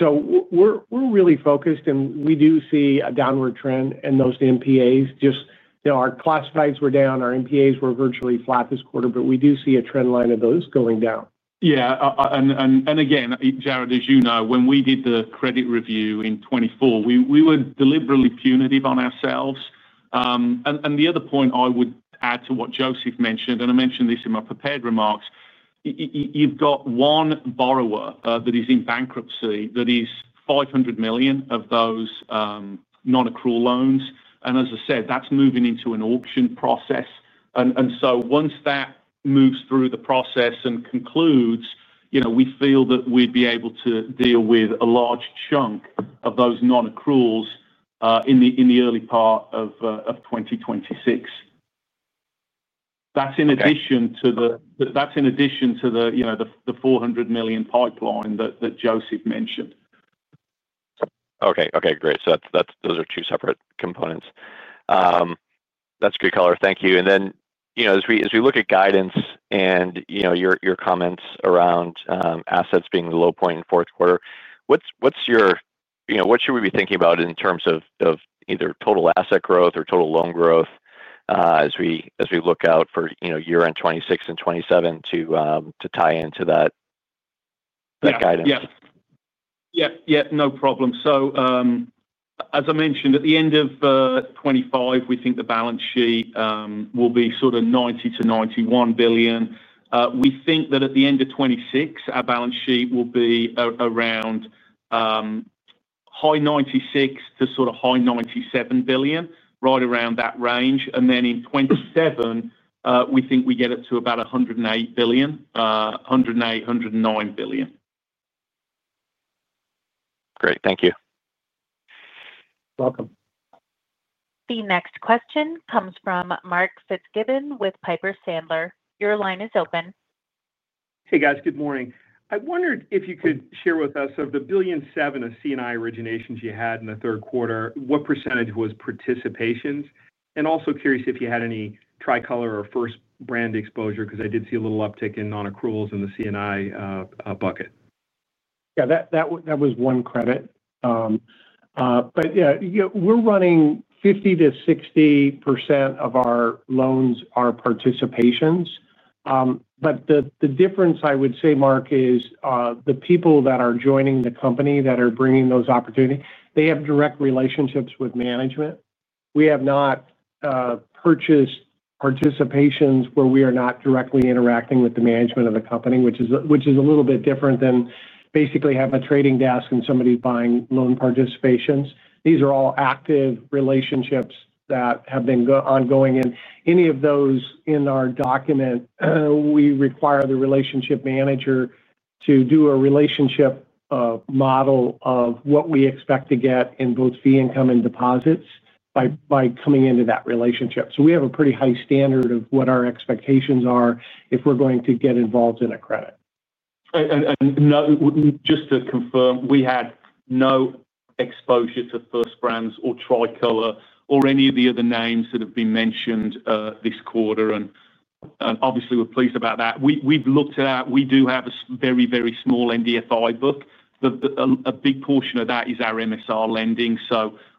We're really focused, and we do see a downward trend in those MPAs. Our classifieds were down. Our MPAs were virtually flat this quarter, but we do see a trend line of those going down. Yeah. As you know, Jared, when we did the credit review in 2024, we were deliberately punitive on ourselves. The other point I would add to what Joseph mentioned, and I mentioned this in my prepared remarks, you've got one borrower that is in bankruptcy that is $500 million of those non-accrual loans. As I said, that's moving into an auction process. Once that moves through the process and concludes, we feel that we'd be able to deal with a large chunk of those non-accruals in the early part of 2026. That's in addition to the $400 million pipeline that Joseph mentioned. Okay, great. Those are two separate components. That's great color, thank you. As we look at guidance and your comments around assets being the low point in the fourth quarter, what should we be thinking about in terms of either total asset growth or total loan growth as we look out for year-end 2026 and 2027 to tie into that guidance? Yeah, no problem. As I mentioned, at the end of 2025, we think the balance sheet will be sort of $90 billion-$91 billion. We think that at the end of 2026, our balance sheet will be around high $96 billion to sort of high $97 billion, right around that range. In 2027, we think we get it to about $108 billion, $108 billion-$109 billion. Great. Thank you. Welcome. The next question comes from Mark Fitzgibbon with Piper Sandler. Your line is open. Hey, guys, good morning. I wondered if you could share with us of the $1.7 billion of C&I originations you had in the third quarter, what % was participations? Also curious if you had any Tricolor or First Brands exposure because I did see a little uptick in non-accruals in the C&I bucket. Yeah. That was one credit. We're running 50%-60% of our loans are participations. The difference, I would say, Mark, is the people that are joining the company that are bringing those opportunities, they have direct relationships with management. We have not purchased participations where we are not directly interacting with the management of the company, which is a little bit different than basically having a trading desk and somebody buying loan participations. These are all active relationships that have been ongoing. In any of those in our document, we require the relationship manager to do a relationship model of what we expect to get in both fee, income, and deposits by coming into that relationship. We have a pretty high standard of what our expectations are if we're going to get involved in a credit. Just to confirm, we had no exposure to First Brands or Tricolor or any of the other names that have been mentioned this quarter. Obviously, we're pleased about that. We've looked at that. We do have a very, very small NDFI book. A big portion of that is our MSR lending.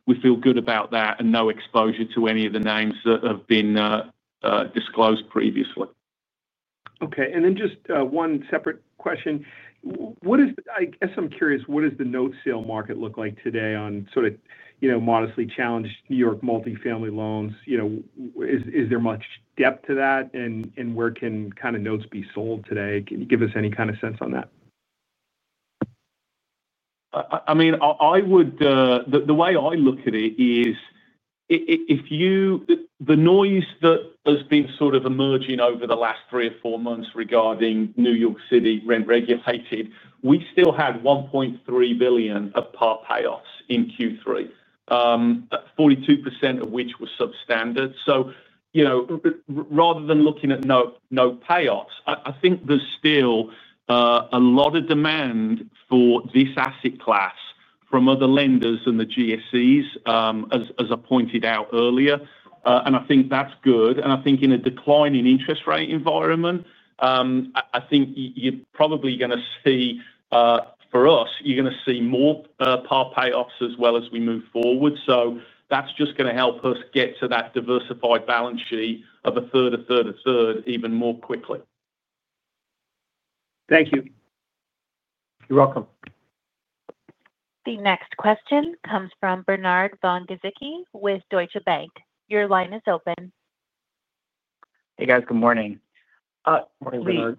We feel good about that and no exposure to any of the names that have been disclosed previously. Okay. Just one separate question. What is, I guess I'm curious, what does the note sale market look like today on sort of, you know, modestly challenged New York multifamily loans? Is there much depth to that? Where can kind of notes be sold today? Can you give us any kind of sense on that? The way I look at it is if you consider the noise that has been sort of emerging over the last three or four months regarding New York City rent-regulated, we still had $1.3 billion of part payoffs in Q3, 42% of which were substandard. Rather than looking at no payoffs, I think there's still a lot of demand for this asset class from other lenders and the GSEs, as I pointed out earlier. I think that's good. I think in a declining interest rate environment, you're probably going to see, for us, you're going to see more part payoffs as well as we move forward. That is just going to help us get to that diversified balance sheet of a third, a third, a third even more quickly. Thank you. You're welcome. The next question comes from Bernard von-Gizycki with Deutsche Bank. Your line is open. Hey, guys, good morning. Morning, Bernard.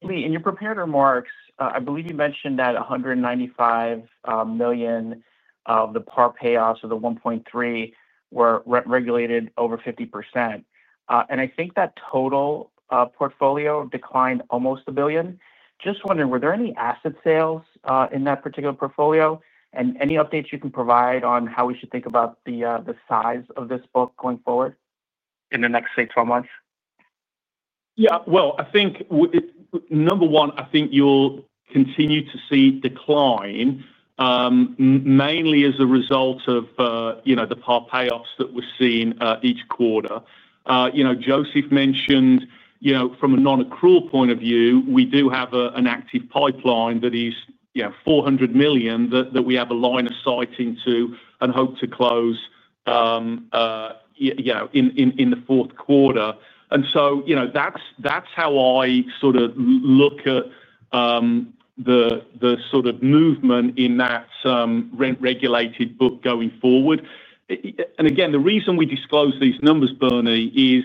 Lee, in your prepared remarks, I believe you mentioned that $195 million of the part payoffs of the $1.3 billion were rent-regulated over 50%. I think that total portfolio declined almost $1 billion. Were there any asset sales in that particular portfolio? Any updates you can provide on how we should think about the size of this book going forward in the next, say, 12 months? I think, number one, you'll continue to see decline, mainly as a result of the part payoffs that we're seeing each quarter. Joseph mentioned, from a non-accrual point of view, we do have an active pipeline that is $400 million that we have a line of sight into and hope to close in the fourth quarter. That's how I sort of look at the movement in that rent-regulated book going forward. The reason we disclose these numbers, Bernie, is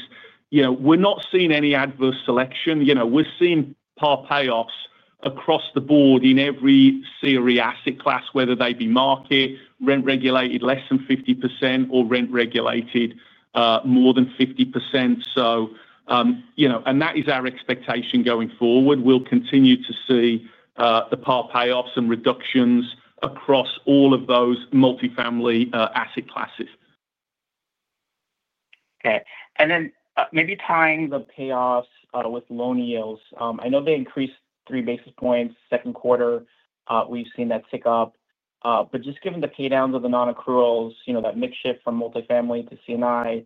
we're not seeing any adverse selection. We're seeing part payoffs across the board in every CRE asset class, whether they be market, rent-regulated less than 50%, or rent-regulated more than 50%. That is our expectation going forward. We'll continue to see the part payoffs and reductions across all of those multifamily asset classes. Okay. Maybe tying the payoffs with loan yields, I know they increased three basis points second quarter. We've seen that tick up. Just given the paydowns of the non-accruals, that mix shift from multifamily to C&I,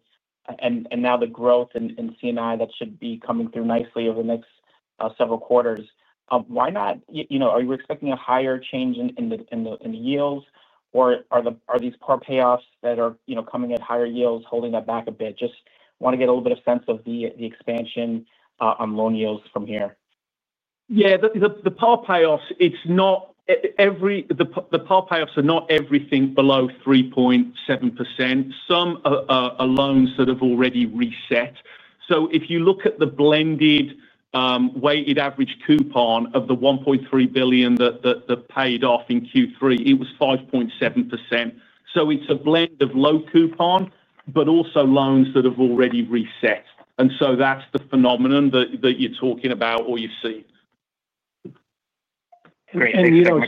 and now the growth in C&I that should be coming through nicely over the next several quarters, why not, you know, are you expecting a higher change in the yields, or are these part payoffs that are coming at higher yields holding that back a bit? Just want to get a little bit of sense of the expansion on loan yields from here. Yeah, the part payoffs, it's not every, the part payoffs are not everything below 3.7%. Some are loans that have already reset. If you look at the blended weighted average coupon of the $1.3 billion that paid off in Q3, it was 5.7%. It's a blend of low coupon, but also loans that have already reset. That's the phenomenon that you're talking about or you see. Great.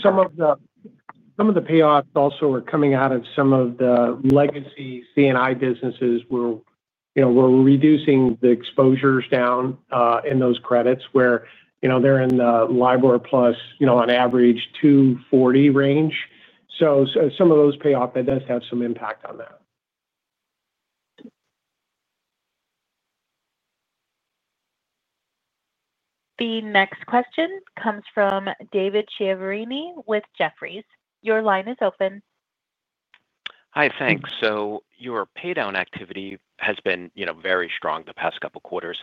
Some of the payoffs also are coming out of some of the legacy C&I businesses where we're reducing the exposures down in those credits where they're in the LIBOR plus, on average, $240 range. Some of those payoffs, that does have some impact on that. The next question comes from David Chiaverini with Jefferies. Your line is open. Hi, thanks. Your paydown activity has been very strong the past couple of quarters.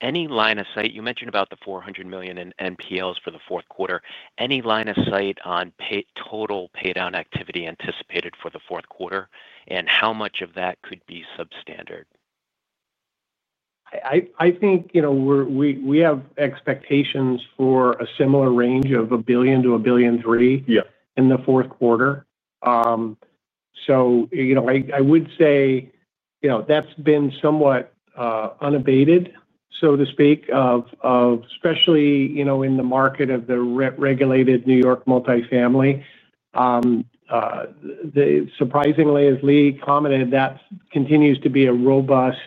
Any line of sight, you mentioned about the $400 million in NPLs for the fourth quarter, any line of sight on total paydown activity anticipated for the fourth quarter? How much of that could be substandard? I think we have expectations for a similar range of $1 billion-$1.3 billion in the fourth quarter. I would say that's been somewhat unabated, especially in the market of the rent-regulated New York multifamily. Surprisingly, as Lee commented, that continues to be a robust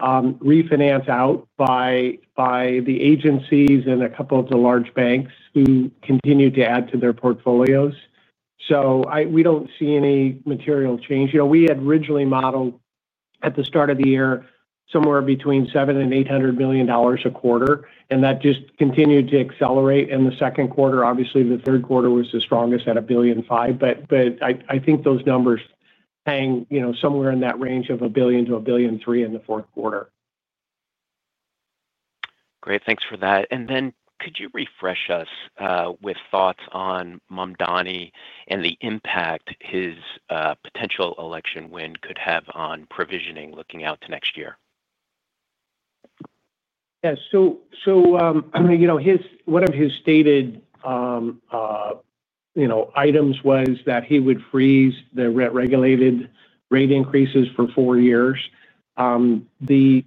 refinance out by the agencies and a couple of the large banks who continue to add to their portfolios. We don't see any material change. We had originally modeled at the start of the year somewhere between $700 million and $800 million a quarter, and that just continued to accelerate in the second quarter. Obviously, the third quarter was the strongest at $1.5 billion, but I think those numbers hang somewhere in that range of $1 billion-$1.3 billion in the fourth quarter. Great. Thanks for that. Could you refresh us with thoughts on Mamdani and the impact his potential election win could have on provisioning looking out to next year? Yeah. One of his stated items was that he would freeze the rent-regulated rate increases for four years. The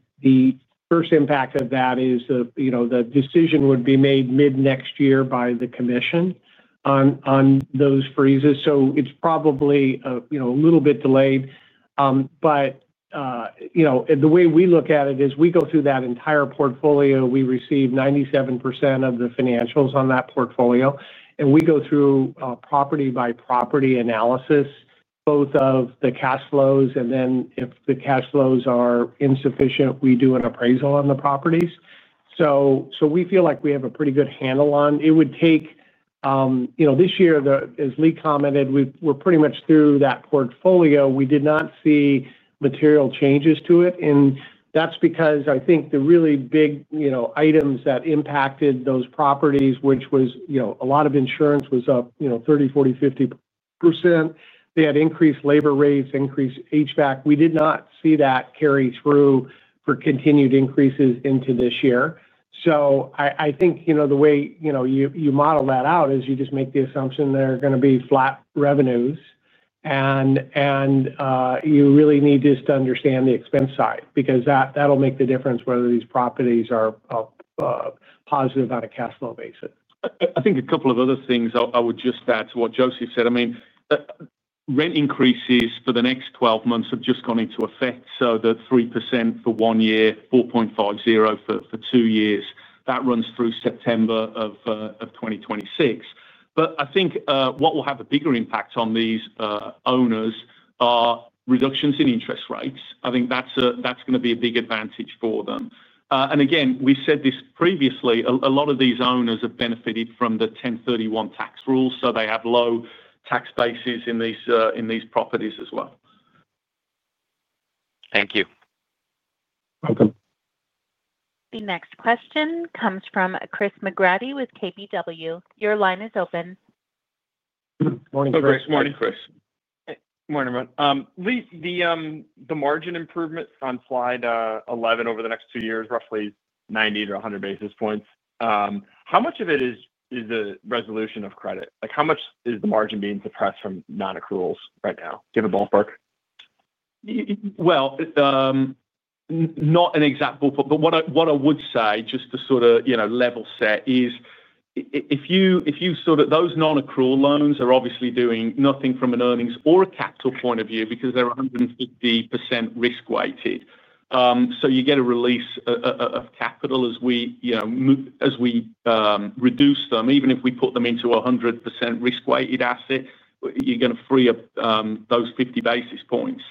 first impact of that is the decision would be made mid-next year by the commission on those freezes. It's probably a little bit delayed. The way we look at it is we go through that entire portfolio. We receive 97% of the financials on that portfolio, and we go through property-by-property analysis, both of the cash flows, and then if the cash flows are insufficient, we do an appraisal on the properties. We feel like we have a pretty good handle on it. It would take, this year, as Lee commented, we're pretty much through that portfolio. We did not see material changes to it. That's because I think the really big items that impacted those properties, which was a lot of insurance was up 30%, 40%, 50%. They had increased labor rates, increased HVAC. We did not see that carry through for continued increases into this year. I think the way you model that out is you just make the assumption there are going to be flat revenues, and you really need just to understand the expense side because that'll make the difference whether these properties are positive on a cash flow basis. I think a couple of other things I would just add to what Joseph said. Rent increases for the next 12 months have just gone into effect. The 3% for one year, 4.50% for two years, that runs through September of 2026. I think what will have a bigger impact on these owners are reductions in interest rates. I think that's going to be a big advantage for them. We said this previously, a lot of these owners have benefited from the 1031 tax rule. They have low tax bases in these properties as well. Thank you. Welcome. The next question comes from Chris McGraty with KBW. Your line is open. Good morning, Chris. Good morning, Chris. Morning, everyone. Lee, the margin improvements on slide 11 over the next two years, roughly 90 to 100 basis points, how much of it is a resolution of credit? How much is the margin being suppressed from non-accruals right now? Do you have a ballpark? What I would say just to sort of, you know, level set is if you sort of those non-accrual loans are obviously doing nothing from an earnings or a capital point of view because they're 150% risk-weighted. You get a release of capital as we, you know, as we reduce them, even if we put them into a 100% risk-weighted asset, you're going to free up those 50 basis points.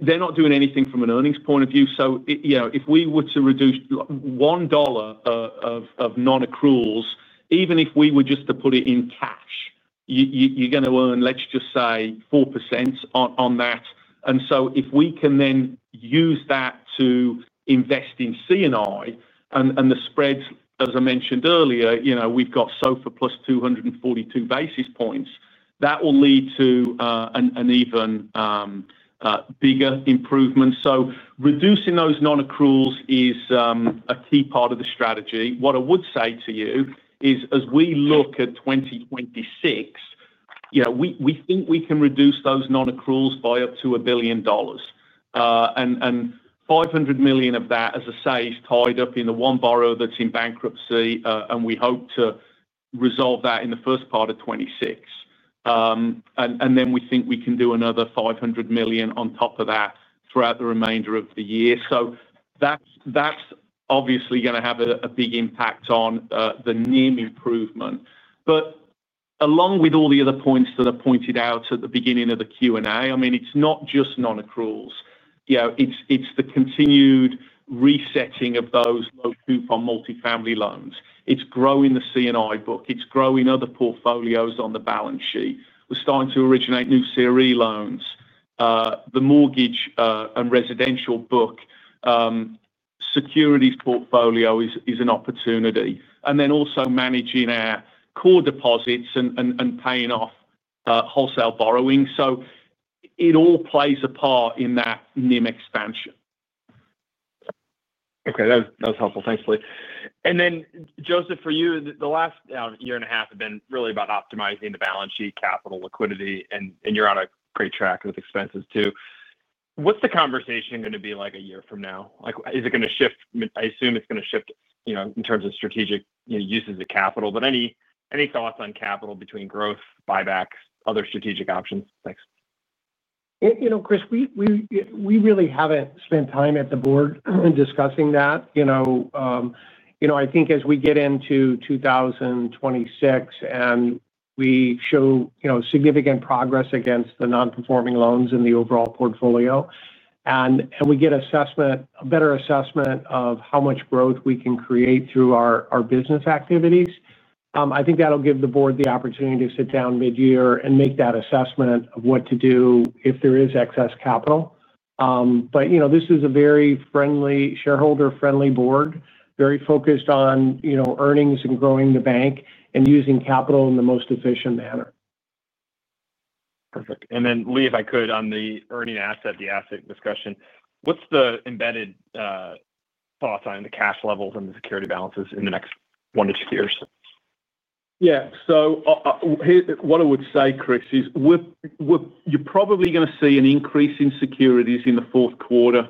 They're not doing anything from an earnings point of view. If we were to reduce $1 of non-accruals, even if we were just to put it in cash, you're going to earn, let's just say, 4% on that. If we can then use that to invest in C&I and the spreads, as I mentioned earlier, you know, we've got SOFR plus 242 basis points, that will lead to an even bigger improvement. Reducing those non-accruals is a key part of the strategy. What I would say to you is as we look at 2026, we think we can reduce those non-accruals by up to $1 billion. $500 million of that, as I say, is tied up in the one borrower that's in bankruptcy, and we hope to resolve that in the first part of 2026. We think we can do another $500 million on top of that throughout the remainder of the year. That's obviously going to have a big impact on the NIM improvement. Along with all the other points that are pointed out at the beginning of the Q&A, it's not just non-accruals. It's the continued resetting of those low coupon multifamily loans. It's growing the C&I book. It's growing other portfolios on the balance sheet. We're starting to originate new CRE loans. The mortgage and residential book securities portfolio is an opportunity. Also managing our core deposits and paying off wholesale borrowing. It all plays a part in that NIM expansion. Okay, that was helpful. Thanks, Lee. Joseph, for you, the last year and a half has been really about optimizing the balance sheet, capital, liquidity, and you're on a great track with expenses too. What's the conversation going to be like a year from now? I assume it's going to shift, you know, in terms of strategic uses of capital, but any thoughts on capital between growth, buybacks, other strategic options? Thanks. You know, Chris, we really haven't spent time at the board discussing that. I think as we get into 2026 and we show significant progress against the non-performing loans in the overall portfolio, and we get a better assessment of how much growth we can create through our business activities, I think that'll give the board the opportunity to sit down mid-year and make that assessment of what to do if there is excess capital. This is a very shareholder-friendly board, very focused on earnings and growing the bank and using capital in the most efficient manner. Perfect. Lee, if I could, on the earning asset, the asset discussion, what's the embedded thoughts on the cash levels and the security balances in the next one to two years? What I would say, Chris, is you're probably going to see an increase in securities in the fourth quarter.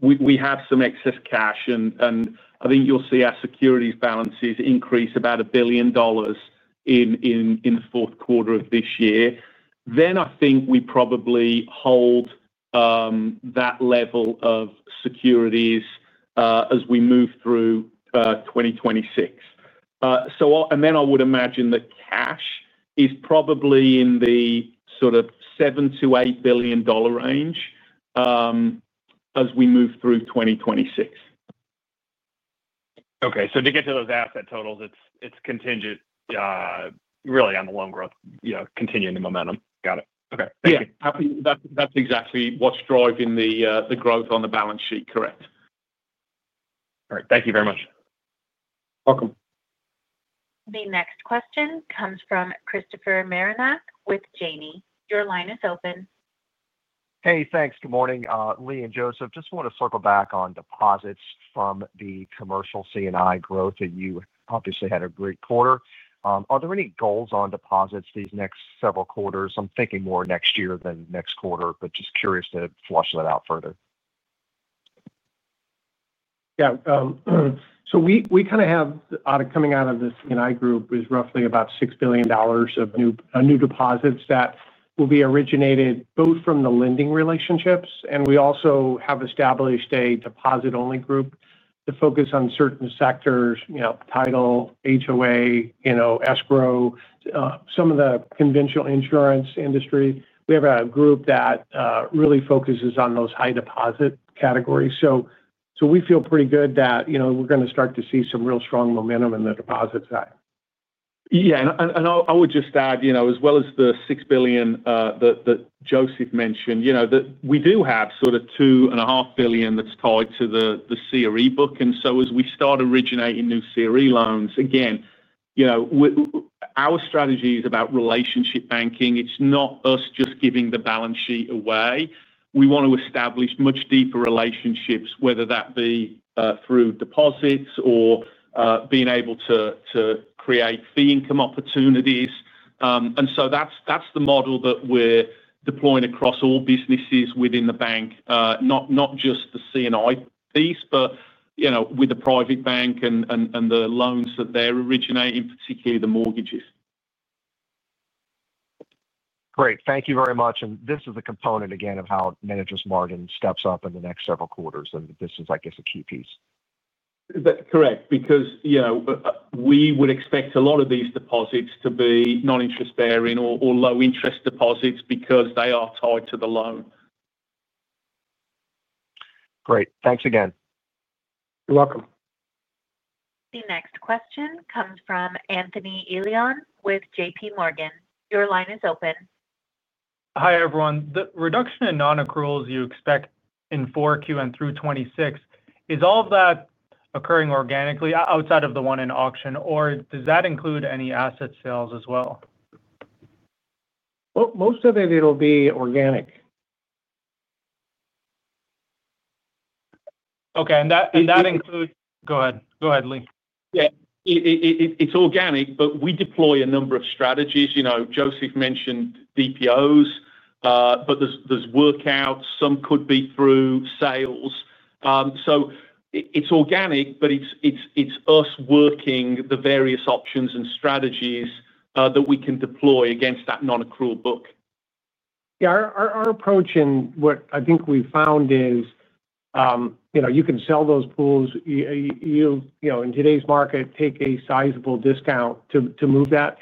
We have some excess cash, and I think you'll see our securities balances increase about $1 billion in the fourth quarter of this year. I think we probably hold that level of securities as we move through 2026. I would imagine that cash is probably in the sort of $7 billion-$8 billion range as we move through 2026. To get to those asset totals, it's contingent, really, on the loan growth, you know, continuing the momentum. Got it. Okay. Thank you. Yeah, that's exactly what's driving the growth on the balance sheet, correct? All right. Thank you very much. Welcome. The next question comes from Christopher Marinac with Janney. Your line is open. Hey, thanks. Good morning. Lee and Joseph, just want to circle back on deposits from the commercial C&I growth, and you obviously had a great quarter. Are there any goals on deposits these next several quarters? I'm thinking more next year than next quarter, but just curious to flush that out further. Yeah, we kind of have the audit coming out of this C&I group is roughly about $6 billion of new deposits that will be originated both from the lending relationships. We also have established a deposit-only group to focus on certain sectors, you know, title, HOA, escrow, some of the conventional insurance industry. We have a group that really focuses on those high deposit categories. We feel pretty good that, you know, we're going to start to see some real strong momentum in the deposit side. Yeah, and I would just add, as well as the $6 billion that Joseph mentioned, we do have sort of $2.5 billion that's tied to the CRE book. As we start originating new CRE loans again, our strategy is about relationship banking. It's not us just giving the balance sheet away. We want to establish much deeper relationships, whether that be through deposits or being able to create fee income opportunities. That's the model that we're deploying across all businesses within the bank, not just the C&I piece, but with the private bank and the loans that they're originating, particularly the mortgages. Great. Thank you very much. This is a component again of how manager's margin steps up in the next several quarters. This is, I guess, a key piece. Correct, because we would expect a lot of these deposits to be non-interest-bearing or low-interest deposits because they are tied to the loan. Great. Thanks again. You're welcome. The next question comes from Anthony Elian with JPMorgan. Your line is open. Hi, everyone. The reduction in non-accruals you expect in 4Q and through 2026, is all of that occurring organically outside of the one in auction, or does that include any asset sales as well? Most of it will be organic. Okay. That includes... Go ahead, Lee. Yeah, it's organic, but we deploy a number of strategies. You know, Joseph mentioned DPOs, but there are workouts. Some could be through sales. It's organic, but it's us working the various options and strategies that we can deploy against that non-accrual book. Yeah, our approach and what I think we've found is, you know, you can sell those pools. You know, in today's market, take a sizable discount to move that.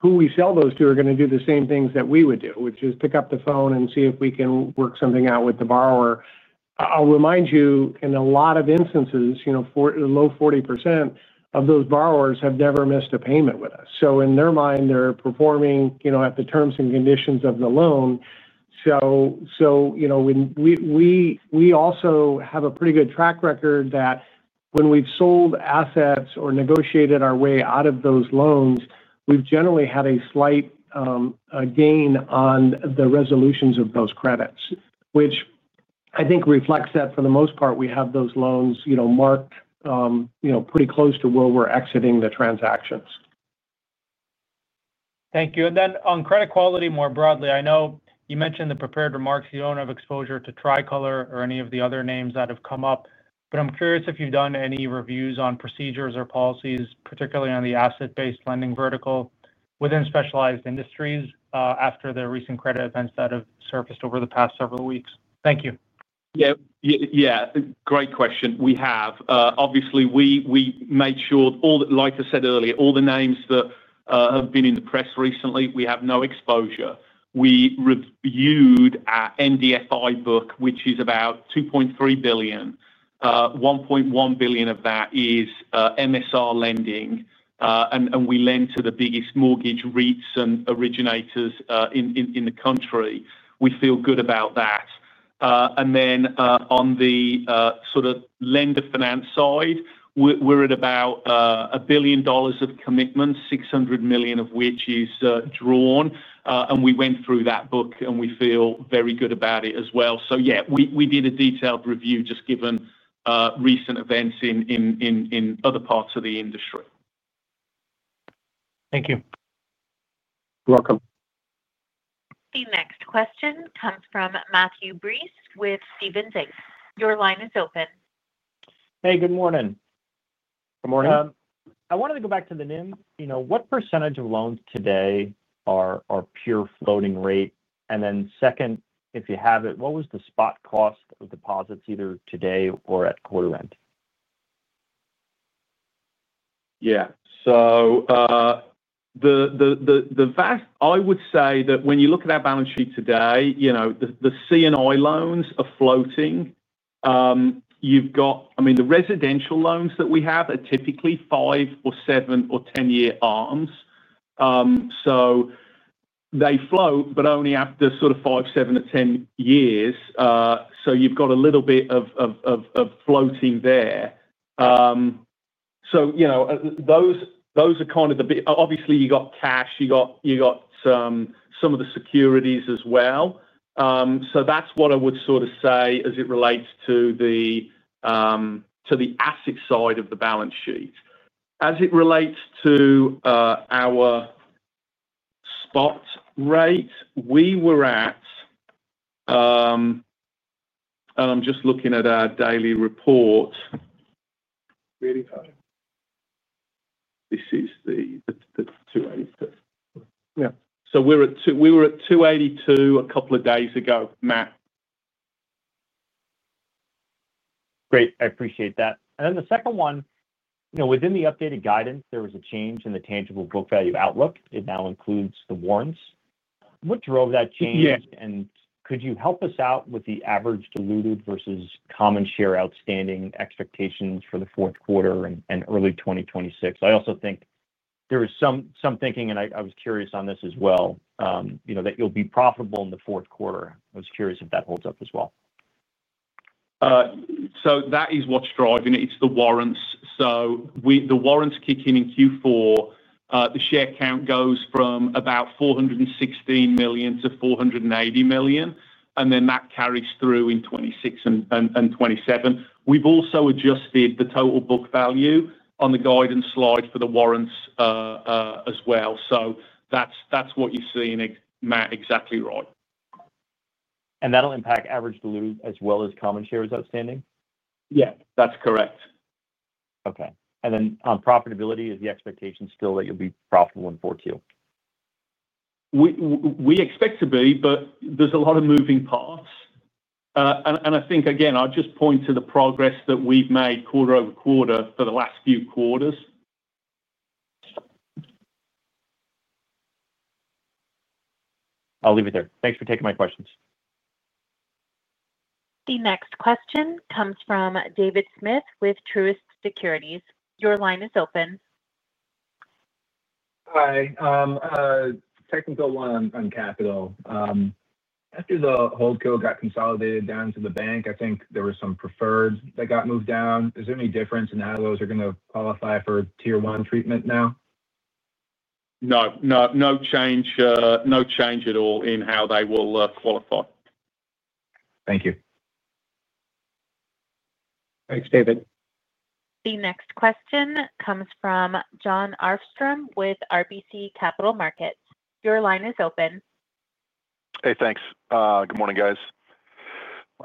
Who we sell those to are going to do the same things that we would do, which is pick up the phone and see if we can work something out with the borrower. I'll remind you, in a lot of instances, for the low 40% of those borrowers have never missed a payment with us. In their mind, they're performing at the terms and conditions of the loan. We also have a pretty good track record that when we've sold assets or negotiated our way out of those loans, we've generally had a slight gain on the resolutions of those credits, which I think reflects that for the most part, we have those loans marked pretty close to where we're exiting the transactions. Thank you. On credit quality more broadly, I know you mentioned in the prepared remarks you don't have exposure to Tricolor or any of the other names that have come up. I'm curious if you've done any reviews on procedures or policies, particularly on the asset-based lending vertical within specialized industries after the recent credit events that have surfaced over the past several weeks. Thank you. Yeah, great question. We have, obviously, we made sure all that, like I said earlier, all the names that have been in the press recently, we have no exposure. We reviewed our NDFI book, which is about $2.3 billion. $1.1 billion of that is MSR lending, and we lend to the biggest mortgage REITs and originators in the country. We feel good about that. On the sort of lender finance side, we're at about $1 billion of commitments, $600 million of which is drawn. We went through that book, and we feel very good about it as well. We did a detailed review just given recent events in other parts of the industry. Thank you. You're welcome. The next question comes from Matthew Breese with Barclays. Your line is open. Hey, good morning. Good morning. I wanted to go back to the NIM. What percentage of loans today are pure floating rate? If you have it, what was the spot cost of deposits either today or at quarter end? Yeah. I would say that when you look at our balance sheet today, the C&I loans are floating. The residential loans that we have are typically 5, 7, or 10-year ARMs. They float, but only after 5, 7, or 10 years. You have a little bit of floating there. Those are kind of the big ones. Obviously, you have cash, you have some of the securities as well. That is what I would say as it relates to the asset side of the balance sheet. As it relates to our spot rate, we were at, and I'm just looking at our daily report. This is the 2.82. Yeah. We were at 282 a couple of days ago, Matt. Great. I appreciate that. In the updated guidance, there was a change in the tangible book value outlook. It now includes the warrants. What drove that change? Could you help us out with the average diluted versus common share outstanding expectations for the fourth quarter and early 2026? I also think there is some thinking, and I was curious on this as well, that you'll be profitable in the fourth quarter. I was curious if that holds up as well. That is what's driving it. It's the warrants. The warrants kick in in Q4. The share count goes from about 416 million to 480 million, and that carries through in 2026 and 2027. We've also adjusted the total book value on the guidance slide for the warrants as well. That's what you're seeing, Matt, exactly right. That'll impact average dilute as well as common shares outstanding? Yeah, that's correct. Okay. On profitability, is the expectation still that you'll be profitable in 4Q? We expect to be. There's a lot of moving parts. I think, again, I'll just point to the progress that we've made quarter over quarter for the last few quarters. I'll leave it there. Thanks for taking my questions. The next question comes from David Smith with Truist Securities. Your line is open. Hi. Technical one on capital. After the whole code got consolidated down to the bank, I think there were some preferred that got moved down. Is there any difference in how those are going to qualify for Tier 1 treatment now? No change at all in how they will qualify. Thank you. Thanks, David. The next question comes from Jon Arfstrom with RBC Capital Markets. Your line is open. Hey, thanks. Good morning, guys.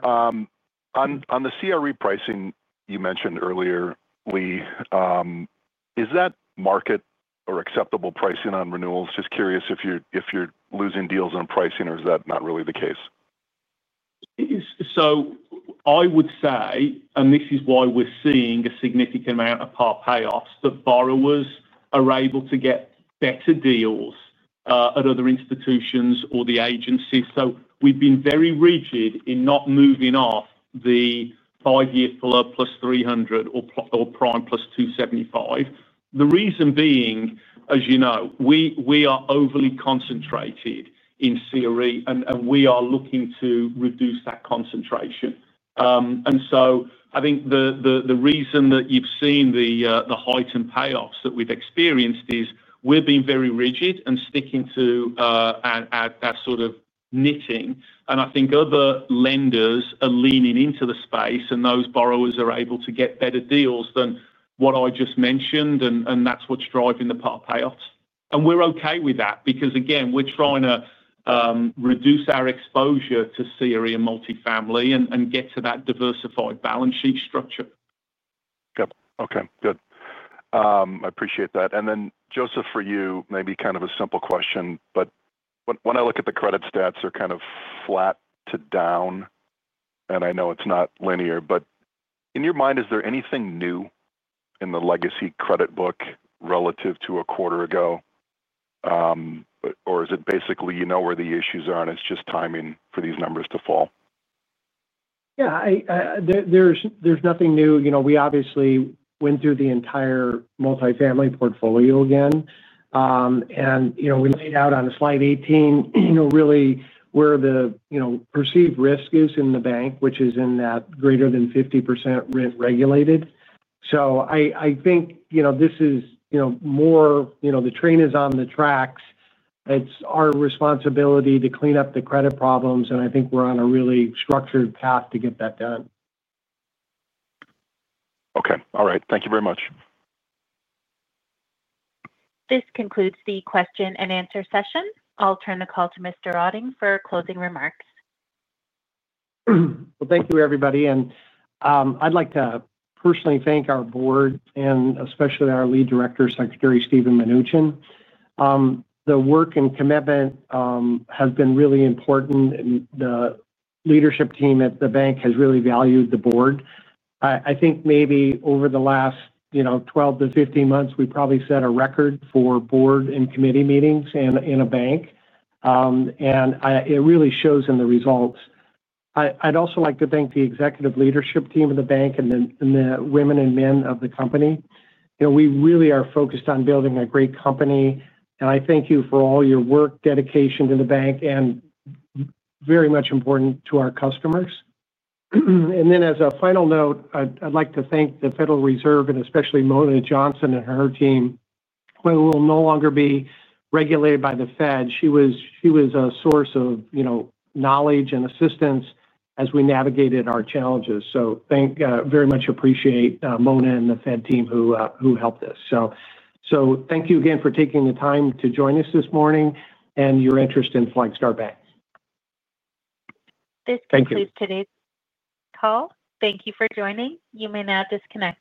On the CRE pricing you mentioned earlier, Lee, is that market or acceptable pricing on renewals? Just curious if you're losing deals on pricing or is that not really the case? I would say this is why we're seeing a significant amount of part payoffs, that borrowers are able to get better deals at other institutions or the agency. We have been very rigid in not moving off the five-year FHLB plus $300 or prime plus $275. The reason being, as you know, we are overly concentrated in CRE and we are looking to reduce that concentration. I think the reason that you've seen the height in payoffs that we've experienced is we're being very rigid and sticking to our sort of knitting. I think other lenders are leaning into the space and those borrowers are able to get better deals than what I just mentioned. That's what's driving the part payoffs. We're okay with that because, again, we're trying to reduce our exposure to CRE and multifamily and get to that diversified balance sheet structure. Okay. Good. I appreciate that. Joseph, for you, maybe kind of a simple question, but when I look at the credit stats, they're kind of flat to down. I know it's not linear, but in your mind, is there anything new in the legacy credit book relative to a quarter ago? Or is it basically, you know where the issues are and it's just timing for these numbers to fall? Yeah, there's nothing new. We obviously went through the entire multifamily portfolio again. We laid out on slide 18 where the perceived risk is in the bank, which is in that greater than 50% risk regulated. I think this is more the train is on the tracks. It's our responsibility to clean up the credit problems, and I think we're on a really structured path to get that done. Okay. All right, thank you very much. This concludes the question and answer session. I'll turn the call to Mr. Otting for closing remarks. Thank you, everybody. I'd like to personally thank our board and especially our Lead Director, Secretary Steven Mnuchin. The work and commitment has been really important. The leadership team at the bank has really valued the board. I think maybe over the last 12 to 15 months, we probably set a record for board and committee meetings in a bank, and it really shows in the results. I'd also like to thank the Executive Leadership Team of the bank and the women and men of the company. We really are focused on building a great company. I thank you for all your work, dedication to the bank, and very much important to our customers. As a final note, I'd like to thank the Federal Reserve and especially Mona Johnson and her team, who will no longer be regulated by the Fed. She was a source of knowledge and assistance as we navigated our challenges. Thank you very much. I appreciate Mona and the Fed team who helped us. Thank you again for taking the time to join us this morning and your interest in Flagstar Bank. Thank you. This concludes today's call. Thank you for joining. You may now disconnect.